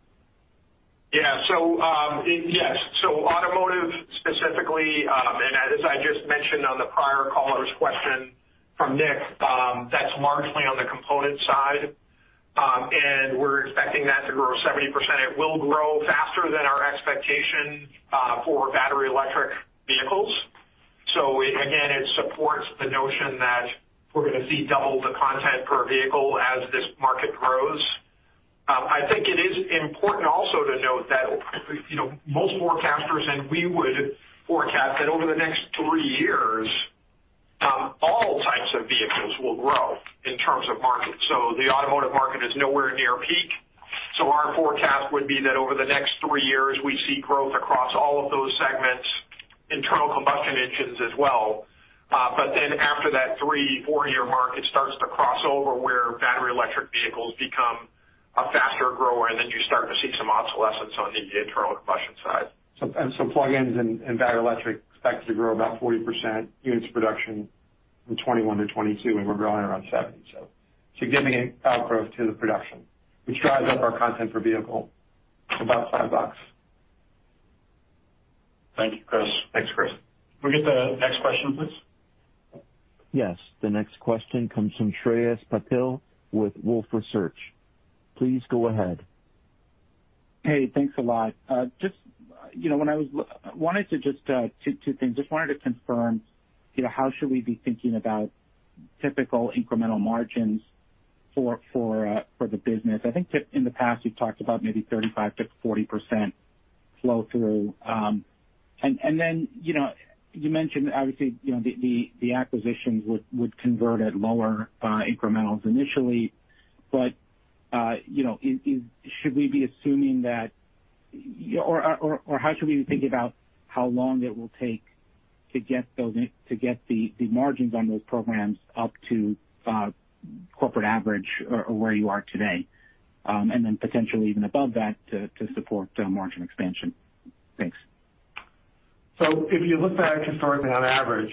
[SPEAKER 3] Automotive specifically, and as I just mentioned on the prior caller's question from Nick, that's largely on the component side. We're expecting that to grow 70%. It will grow faster than our expectation for battery electric vehicles. Again, it supports the notion that we're gonna see double the content per vehicle as this market grows. I think it is important also to note that, you know, most forecasters, and we would forecast that over the next three years, all types of vehicles will grow in terms of market. The automotive market is nowhere near peak. Our forecast would be that over the next three years, we see growth across all of those segments, internal combustion engines as well. After that three to four-year mark, it starts to cross over where battery electric vehicles become a faster grower, and then you start to see some obsolescence on the internal combustion side.
[SPEAKER 4] Plug-ins and battery electric expected to grow about 40% units production from 2021 to 2022, and we're growing around 70%. Significant outgrowth to the production, which drives up our content per vehicle about $5.
[SPEAKER 2] Thank you, Chris.
[SPEAKER 3] Thanks, Chris.
[SPEAKER 2] Can we get the next question, please?
[SPEAKER 1] Yes. The next question comes from Shreyas Patil with Wolfe Research. Please go ahead.
[SPEAKER 15] Hey, thanks a lot. Just, you know, wanted to just two things. Just wanted to confirm, you know, how should we be thinking about typical incremental margins for the business? I think that in the past, you've talked about maybe 35% to 40% flow through. Then, you know, you mentioned obviously, you know, the acquisitions would convert at lower incrementals initially. You know, should we be assuming that or how should we be thinking about how long it will take to get the margins on those programs up to corporate average or where you are today, and then potentially even above that to support the margin expansion? Thanks.
[SPEAKER 4] If you look back historically on average,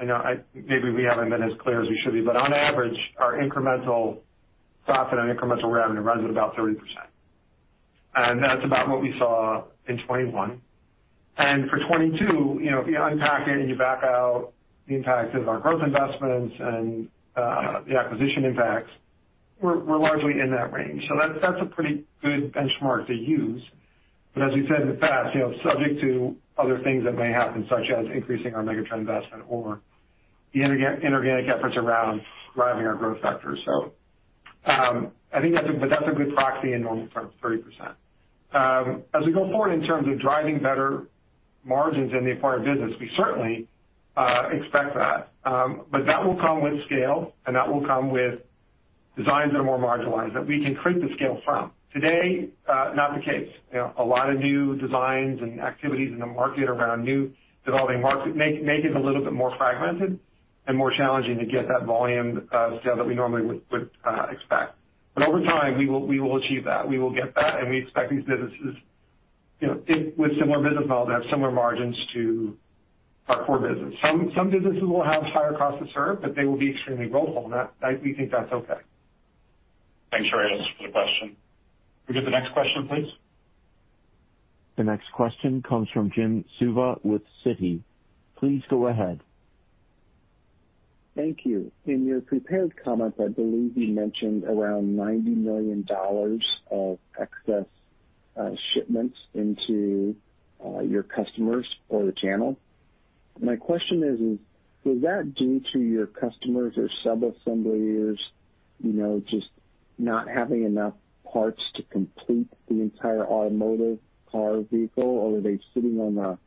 [SPEAKER 4] I know maybe we haven't been as clear as we should be, but on average, our incremental profit on incremental revenue runs at about 30%. That's about what we saw in 2021. For 2022, you know, if you unpack it and you back out the impact of our growth investments and the acquisition impacts, we're largely in that range. That's a pretty good benchmark to use. As we've said in the past, you know, subject to other things that may happen, such as increasing our megatrend investment or the inorganic efforts around driving our growth factors. I think but that's a good proxy in normal times, 30%. As we go forward in terms of driving better margins in the acquired business, we certainly expect that. That will come with scale, and that will come with designs that are more marginalized, that we can create the scale from. Today, not the case. You know, a lot of new designs and activities in the market around new developing markets make it a little bit more fragmented and more challenging to get that volume, scale that we normally would expect. Over time, we will achieve that. We will get that, and we expect these businesses, you know, with similar business models, to have similar margins to our core business. Some businesses will have higher costs to serve, but they will be extremely profitable. We think that's okay.
[SPEAKER 2] Thanks, Shreyas, for the question. Can we get the next question, please?
[SPEAKER 1] The next question comes from Jim Suva with Citi. Please go ahead.
[SPEAKER 16] Thank you. In your prepared comments, I believe you mentioned around $90 million of excess shipments into your customers or the channel. My question is, was that due to your customers or sub-assemblers, you know, just not having enough parts to complete the entire automotive car vehicle? Or were they sitting on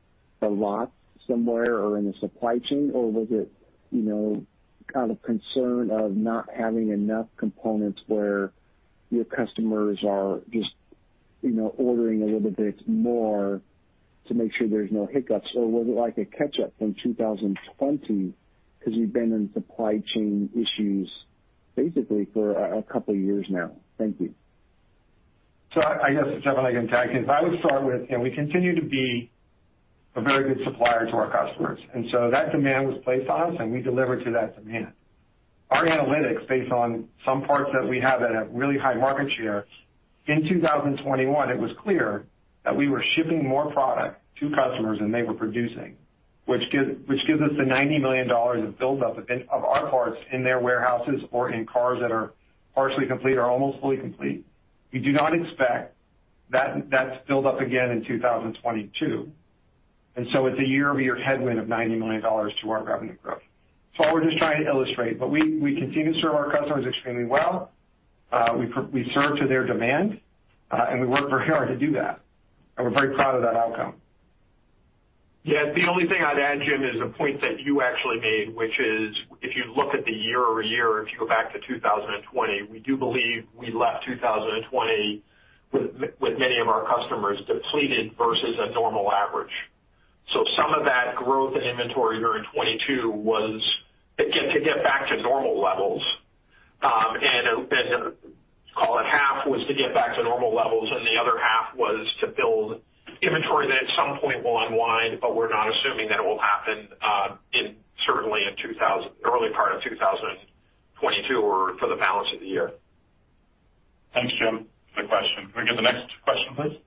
[SPEAKER 16] a lot somewhere or in a supply chain? Or was it, you know, kind of concern of not having enough components where your customers are just, you know, ordering a little bit more to make sure there's no hiccups? Or was it like a catch up from 2020 because you've been in supply chain issues basically for a couple of years now? Thank you.
[SPEAKER 4] I guess, Jeff, I can tag in. I would start with, you know, we continue to be a very good supplier to our customers. That demand was placed on us and we delivered to that demand. Our analytics based on some parts that we have that have really high market share, in 2021, it was clear that we were shipping more product to customers than they were producing. Which gives us the $90 million of buildup of inventory of our parts in their warehouses or in cars that are partially complete or almost fully complete. We do not expect that that's built up again in 2022. It's a year-over-year headwind of $90 million to our revenue growth. That's all we're just trying to illustrate. We continue to serve our customers extremely well. We serve to their demand, and we work very hard to do that. We're very proud of that outcome.
[SPEAKER 3] Yeah. The only thing I'd add, Jim, is a point that you actually made, which is if you look at the year-over-year, if you go back to 2020, we do believe we left 2020 with many of our customers depleted versus a normal average. Some of that growth in inventory during 2022 was to get back to normal levels. Call it half was to get back to normal levels and the other half was to build inventory that at some point will unwind, but we're not assuming that it will happen certainly in the early part of 2022 or for the balance of the year.
[SPEAKER 2] Thanks, Jim, for the question. Can we get the next question, please?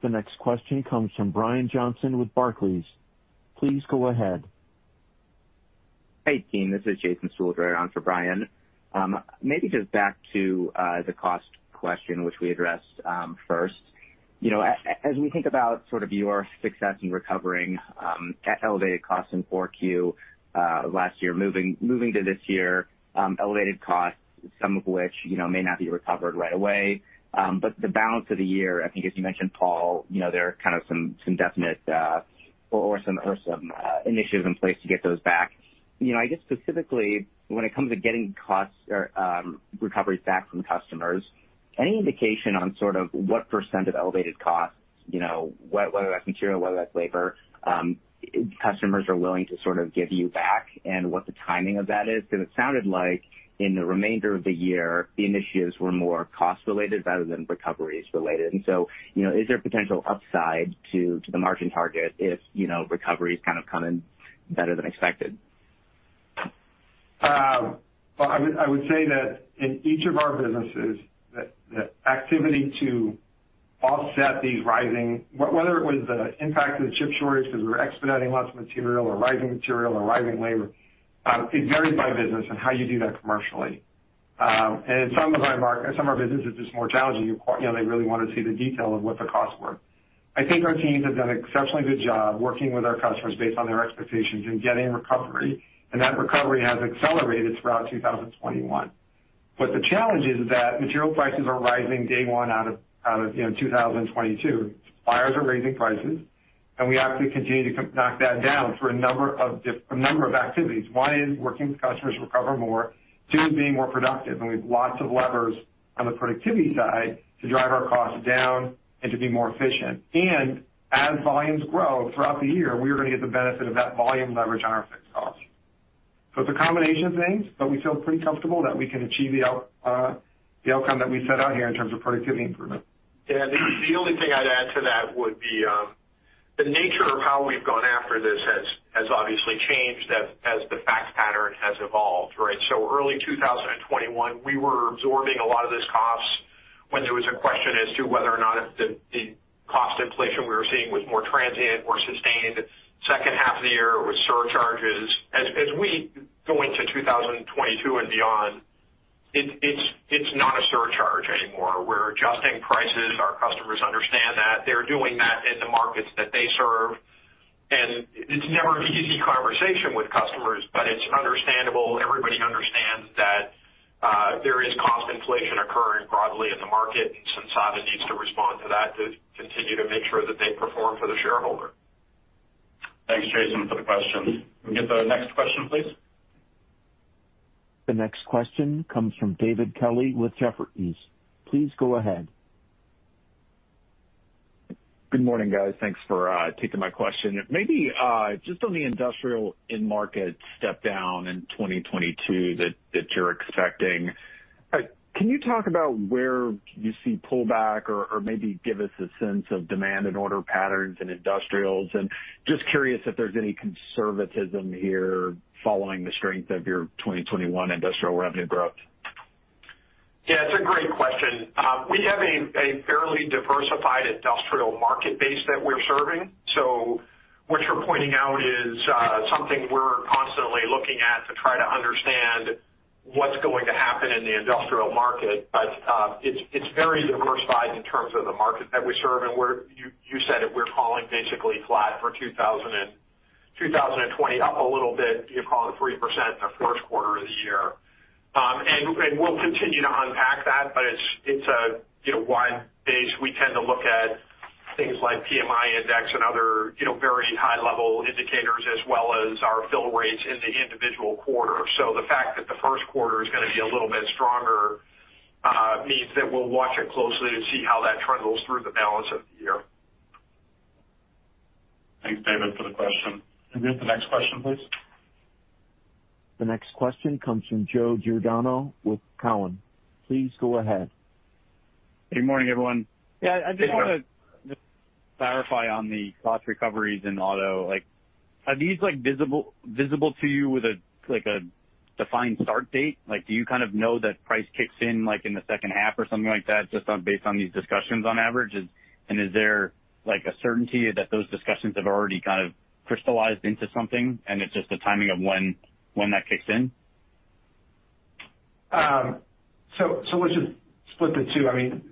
[SPEAKER 1] The next question comes from Brian Johnson with Barclays. Please go ahead.
[SPEAKER 17] Hey, team. This is Jason Seidl on for Brian. Maybe just back to the cost question which we addressed first. You know, as we think about sort of your success in recovering at elevated costs in Q4 last year, moving to this year, elevated costs, some of which, you know, may not be recovered right away. The balance of the year, I think as you mentioned, Paul, you know, there are kind of some definite initiatives in place to get those back. You know, I guess specifically when it comes to getting costs or recoveries back from customers, any indication on sort of what percent of elevated costs, you know, whether that's material, whether that's labor, customers are willing to sort of give you back and what the timing of that is? Because it sounded like in the remainder of the year, the initiatives were more cost related rather than recoveries related. You know, is there potential upside to the margin target if, you know, recoveries kind of come in better than expected?
[SPEAKER 4] Well, I would say that in each of our businesses that activity to offset these rising, whether it was the impact of the chip shortage 'cause we're expediting lots of material or rising material or rising labor, it varies by business and how you do that commercially. Some of our businesses are just more challenging. You know, they really wanna see the detail of what the costs were. I think our teams have done an exceptionally good job working with our customers based on their expectations in getting recovery, and that recovery has accelerated throughout 2021. The challenge is that material prices are rising day one out of, you know, 2022. Suppliers are raising prices, and we have to continue to knock that down through a number of activities. One is working with customers to recover more, two is being more productive, and we've lots of levers on the productivity side to drive our costs down and to be more efficient. As volumes grow throughout the year, we are gonna get the benefit of that volume leverage on our fixed costs. It's a combination of things, but we feel pretty comfortable that we can achieve the outcome that we set out here in terms of productivity improvement.
[SPEAKER 3] Yeah. The only thing I'd add to that would be the nature of how we've gone after this has obviously changed as the fact pattern has evolved, right? Early 2021, we were absorbing a lot of these costs when there was a question as to whether or not if the cost inflation we were seeing was more transient or sustained. Second half of the year with surcharges. As we go into 2022 and beyond, it's not a surcharge anymore. We're adjusting prices. Our customers understand that. They're doing that in the markets that they serve. It's never an easy conversation with customers, but it's understandable. Everybody understands that, there is cost inflation occurring broadly in the market, and Sensata needs to respond to that to continue to make sure that they perform for the shareholder.
[SPEAKER 2] Thanks, Jason, for the question. Can we get the next question, please?
[SPEAKER 1] The next question comes from David Kelley with Jefferies. Please go ahead.
[SPEAKER 18] Good morning, guys. Thanks for taking my question. Maybe just on the industrial end market step down in 2022 that you're expecting, can you talk about where you see pullback or maybe give us a sense of demand and order patterns in industrials? Just curious if there's any conservatism here following the strength of your 2021 industrial revenue growth.
[SPEAKER 3] Yeah, it's a great question. We have a fairly diversified industrial market base that we're serving. What you're pointing out is something we're constantly looking at to try to understand what's going to happen in the industrial market. It's very diversified in terms of the market that we serve, and you said it, we're calling basically flat for 2020 up a little bit, you know, calling it 3% in the first quarter of the year. We'll continue to unpack that. It's a wide base. We tend to look at things like PMI index and other very high level indicators as well as our fill rates in the individual quarter. The fact that the first quarter is gonna be a little bit stronger means that we'll watch it closely to see how that trend goes through the balance of the year.
[SPEAKER 2] Thanks, David, for the question. Can we get the next question, please?
[SPEAKER 1] The next question comes from Joseph Giordano with Cowen. Please go ahead.
[SPEAKER 19] Good morning, everyone.
[SPEAKER 3] Hey, Joe.
[SPEAKER 19] Yeah. I just wanna just clarify on the cost recoveries in auto. Are these, like visible to you with a, like a defined start date? Like, do you kind of know that price kicks in, like in the second half or something like that, just based on these discussions on average? Is there like a certainty that those discussions have already kind of crystallized into something and it's just the timing of when that kicks in?
[SPEAKER 4] Let's just split the two. I mean,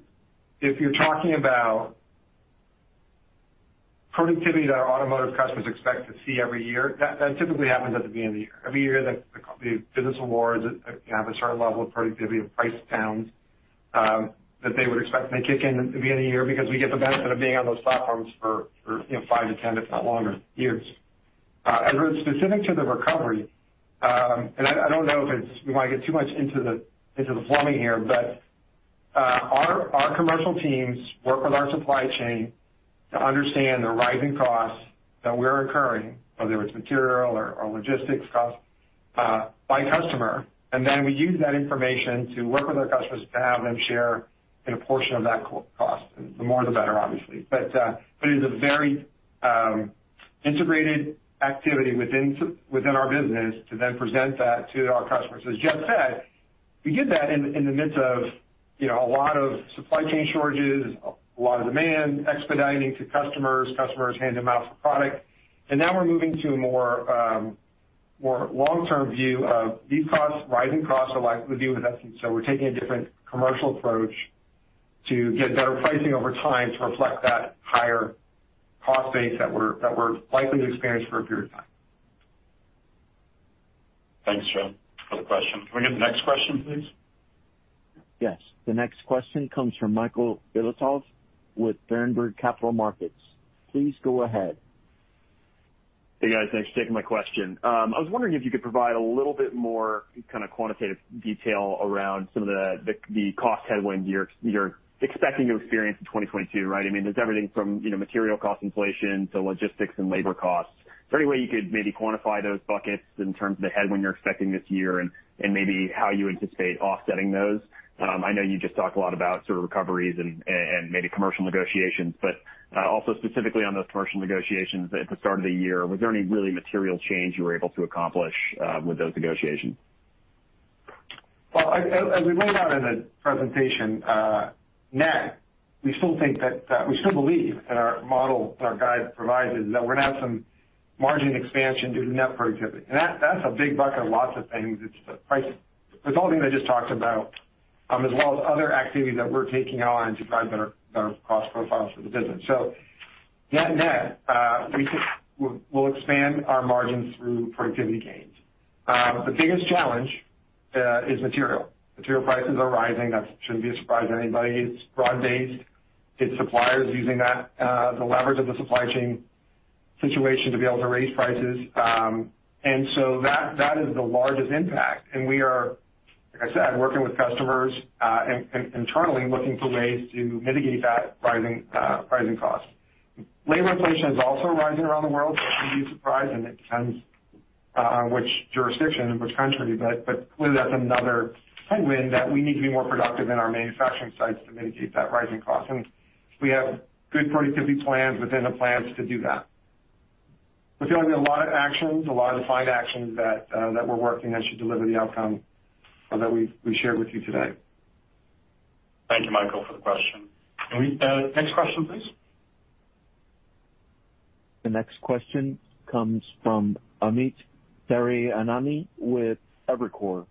[SPEAKER 4] if you're talking about productivity that our automotive customers expect to see every year, that typically happens at the beginning of the year. Every year the company business awards have a certain level of productivity of price downs, that they would expect to kick in at the beginning of the year because we get the benefit of being on those platforms for, you know, five to 10 if not longer years. Specific to the recovery, I don't know if we want to get too much into the plumbing here, but our commercial teams work with our supply chain to understand the rising costs that we're incurring, whether it's material or logistics costs, by customer. We use that information to work with our customers to have them share in a portion of that co-cost. The more the better, obviously. It is a very integrated activity within our business to then present that to our customers. As Jeff said, we did that in the midst of, you know, a lot of supply chain shortages, a lot of demand, expediting to customers hand-to-mouth for product. Now we're moving to a more long-term view of these costs. Rising costs are likely to be with us, and so we're taking a different commercial approach to get better pricing over time to reflect that higher cost base that we're likely to experience for a period of time.
[SPEAKER 2] Thanks, Joe, for the question. Can we get the next question, please?
[SPEAKER 1] Yes. The next question comes from Michael Filatov with Berenberg Capital Markets. Please go ahead.
[SPEAKER 20] Hey, guys. Thanks for taking my question. I was wondering if you could provide a little bit more kind of quantitative detail around some of the cost headwinds you're expecting to experience in 2022, right? I mean, there's everything from, you know, material cost inflation to logistics and labor costs. So any way you could maybe quantify those buckets in terms of the headwind you're expecting this year and maybe how you anticipate offsetting those? I know you just talked a lot about sort of recoveries and maybe commercial negotiations, but also specifically on those commercial negotiations at the start of the year, was there any really material change you were able to accomplish with those negotiations?
[SPEAKER 4] As we rolled out in the presentation, net, we still believe that our model that our guide provides is that we're gonna have some margin expansion due to net productivity. That's a big bucket of lots of things. It's the pricing. There's all the things I just talked about, as well as other activities that we're taking on to drive better cost profiles for the business. Net net, we think we'll expand our margins through productivity gains. The biggest challenge is material. Material prices are rising. That shouldn't be a surprise to anybody. It's broad-based. It's suppliers using that, the leverage of the supply chain situation to be able to raise prices. That is the largest impact. We are, like I said, working with customers, internally looking for ways to mitigate that rising cost. Labor inflation is also rising around the world. Shouldn't be a surprise, and it depends on which jurisdiction, in which country. Clearly that's another headwind that we need to be more productive in our manufacturing sites to mitigate that rising cost. We have good productivity plans within the plans to do that. There are gonna be a lot of actions, a lot of defined actions that we're working that should deliver the outcome that we shared with you today.
[SPEAKER 2] Thank you, Michael, for the question. Can we next question, please?
[SPEAKER 1] The next question comes from Amit Daryanani with Evercore.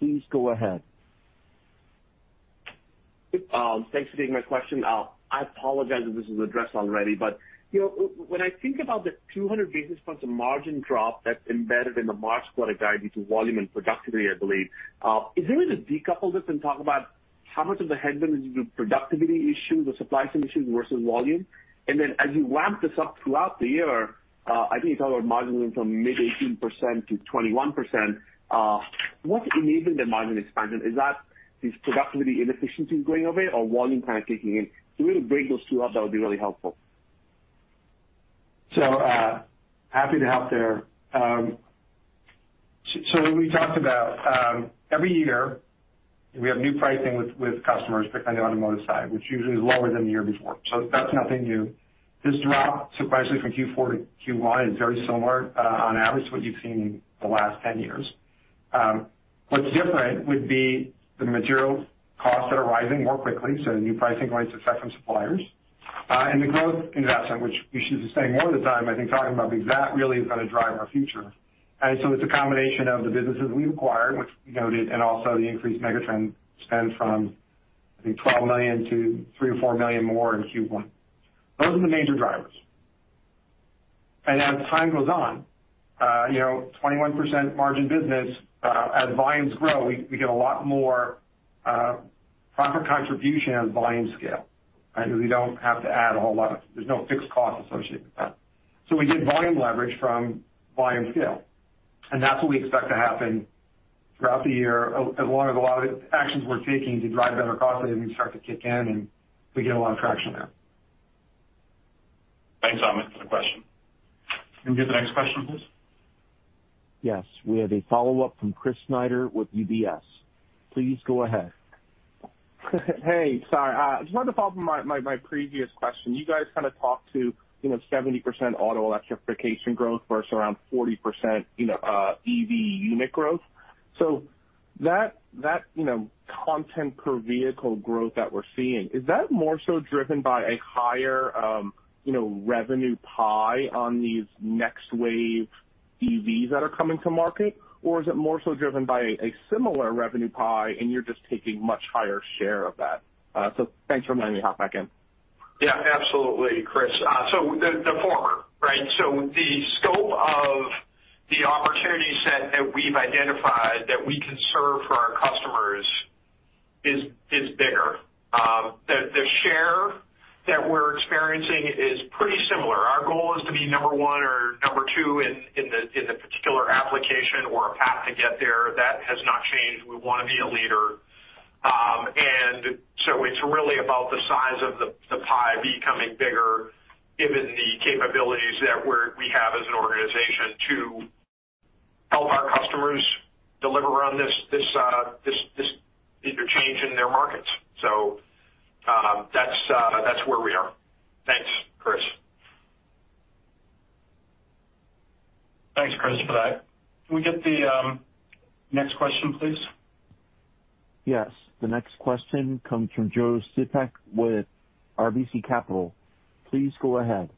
[SPEAKER 1] Please go ahead.
[SPEAKER 21] Thanks for taking my question. I apologize if this was addressed already, but, you know, when I think about the 200 basis points of margin drop that's embedded in the March quarter guide due to volume and productivity, I believe, is there a way to decouple this and talk about how much of the headwind is due to productivity issues or supply chain issues versus volume? Then as you ramp this up throughout the year, I think you talk about margin going from mid-18% to 21%. What's enabling the margin expansion? Is that these productivity inefficiencies going away or volume kind of kicking in? If you were to break those two up, that would be really helpful.
[SPEAKER 4] Happy to help there. We talked about every year we have new pricing with customers, particularly on the automotive side, which usually is lower than the year before. That's nothing new. This drop, surprisingly, from Q4 to Q1 is very similar, on average, to what you've seen in the last 10 years. What's different would be the material costs that are rising more quickly, so new pricing rates to second suppliers. The growth investment, which we should be spending more of the time, I think, talking about because that really is gonna drive our future. It's a combination of the businesses we've acquired, which we noted, and also the increased megatrend spend from, I think, $12 million to $3 or 4 million more in Q1. Those are the major drivers. As time goes on, you know, 21% margin business, as volumes grow, we get a lot more profit contribution on volume scale, right? We don't have to. There's no fixed cost associated with that. We get volume leverage from volume scale, and that's what we expect to happen throughout the year. A lot of actions we're taking to drive better cost savings start to kick in, and we get a lot of traction there.
[SPEAKER 2] Thanks, Amit, for the question. Can we get the next question, please?
[SPEAKER 1] Yes. We have a follow-up from Chris Snyder with UBS. Please go ahead.
[SPEAKER 14] Hey, sorry. Just wanted to follow up on my previous question. You guys kind of talked about 70% auto electrification growth versus around 40% EV unit growth. That content per vehicle growth that we're seeing, is that more so driven by a higher revenue pie on these next wave EVs that are coming to market? Or is it more so driven by a similar revenue pie and you're just taking much higher share of that? So thanks for letting me hop back in.
[SPEAKER 3] Yeah, absolutely, Chris. So the former, right? The scope of the opportunity set that we've identified that we can serve for our customers is bigger. The share that we're experiencing is pretty similar. Our goal is to be number one or number two in the particular application or a path to get there. That has not changed. We wanna be a leader. It's really about the size of the pie becoming bigger given the capabilities that we have as an organization to help our customers deliver on this interchange in their markets. That's where we are. Thanks, Chris.
[SPEAKER 2] Thanks, Chris, for that. Can we get the next question, please?
[SPEAKER 1] Yes. The next question comes from Joe Spak with RBC Capital. Please go ahead.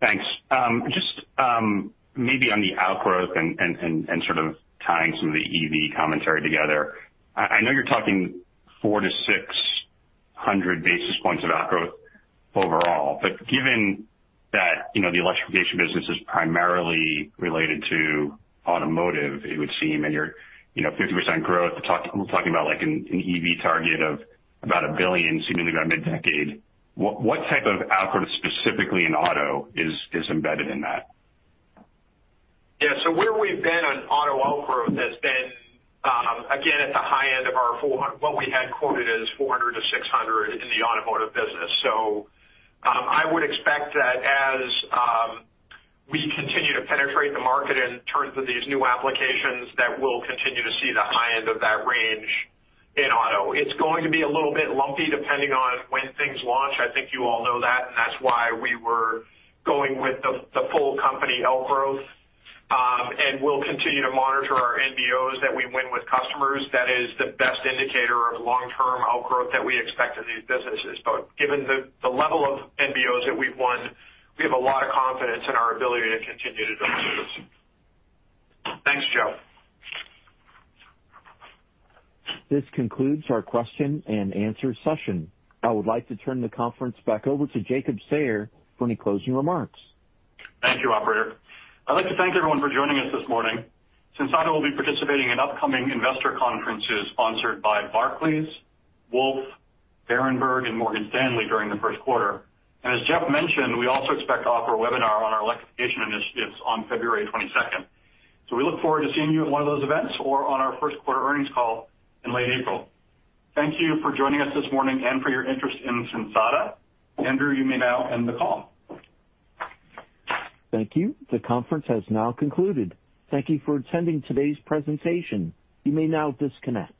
[SPEAKER 22] Thanks. Just maybe on the outgrowth and sort of tying some of the EV commentary together. I know you're talking 400-600 basis points of outgrowth overall. Given that, you know, the electrification business is primarily related to automotive, it would seem, and you're, you know, 50% growth, talking about like an EV target of about $1 billion seemingly around mid-decade, what type of outgrowth specifically in auto is embedded in that?
[SPEAKER 3] Yeah. Where we've been on auto outgrowth has been, again, at the high end of what we had quoted as 400 to 600 in the automotive business. I would expect that as we continue to penetrate the market in terms of these new applications, that we'll continue to see the high end of that range in auto. It's going to be a little bit lumpy depending on when things launch. I think you all know that, and that's why we were going with the full company outgrowth. We'll continue to monitor our NBOs that we win with customers. That is the best indicator of long-term outgrowth that we expect in these businesses. Given the level of NBOs that we've won, we have a lot of confidence in our ability to continue to deliver this.
[SPEAKER 2] Thanks, Joe.
[SPEAKER 1] This concludes our question and answer session. I would like to turn the conference back over to Jacob Sayer for any closing remarks.
[SPEAKER 3] Thank you, operator. I'd like to thank everyone for joining us this morning. Sensata will be participating in upcoming investor conferences sponsored by Barclays, Wolfe, Berenberg, and Morgan Stanley during the first quarter. As Jeff mentioned, we also expect to offer a webinar on our electrification initiatives on February 22nd. We look forward to seeing you at one of those events or on our first quarter earnings call in late April. Thank you for joining us this morning and for your interest in Sensata. Andrew, you may now end the call.
[SPEAKER 1] Thank you. The conference has now concluded. Thank you for attending today's presentation. You may now disconnect.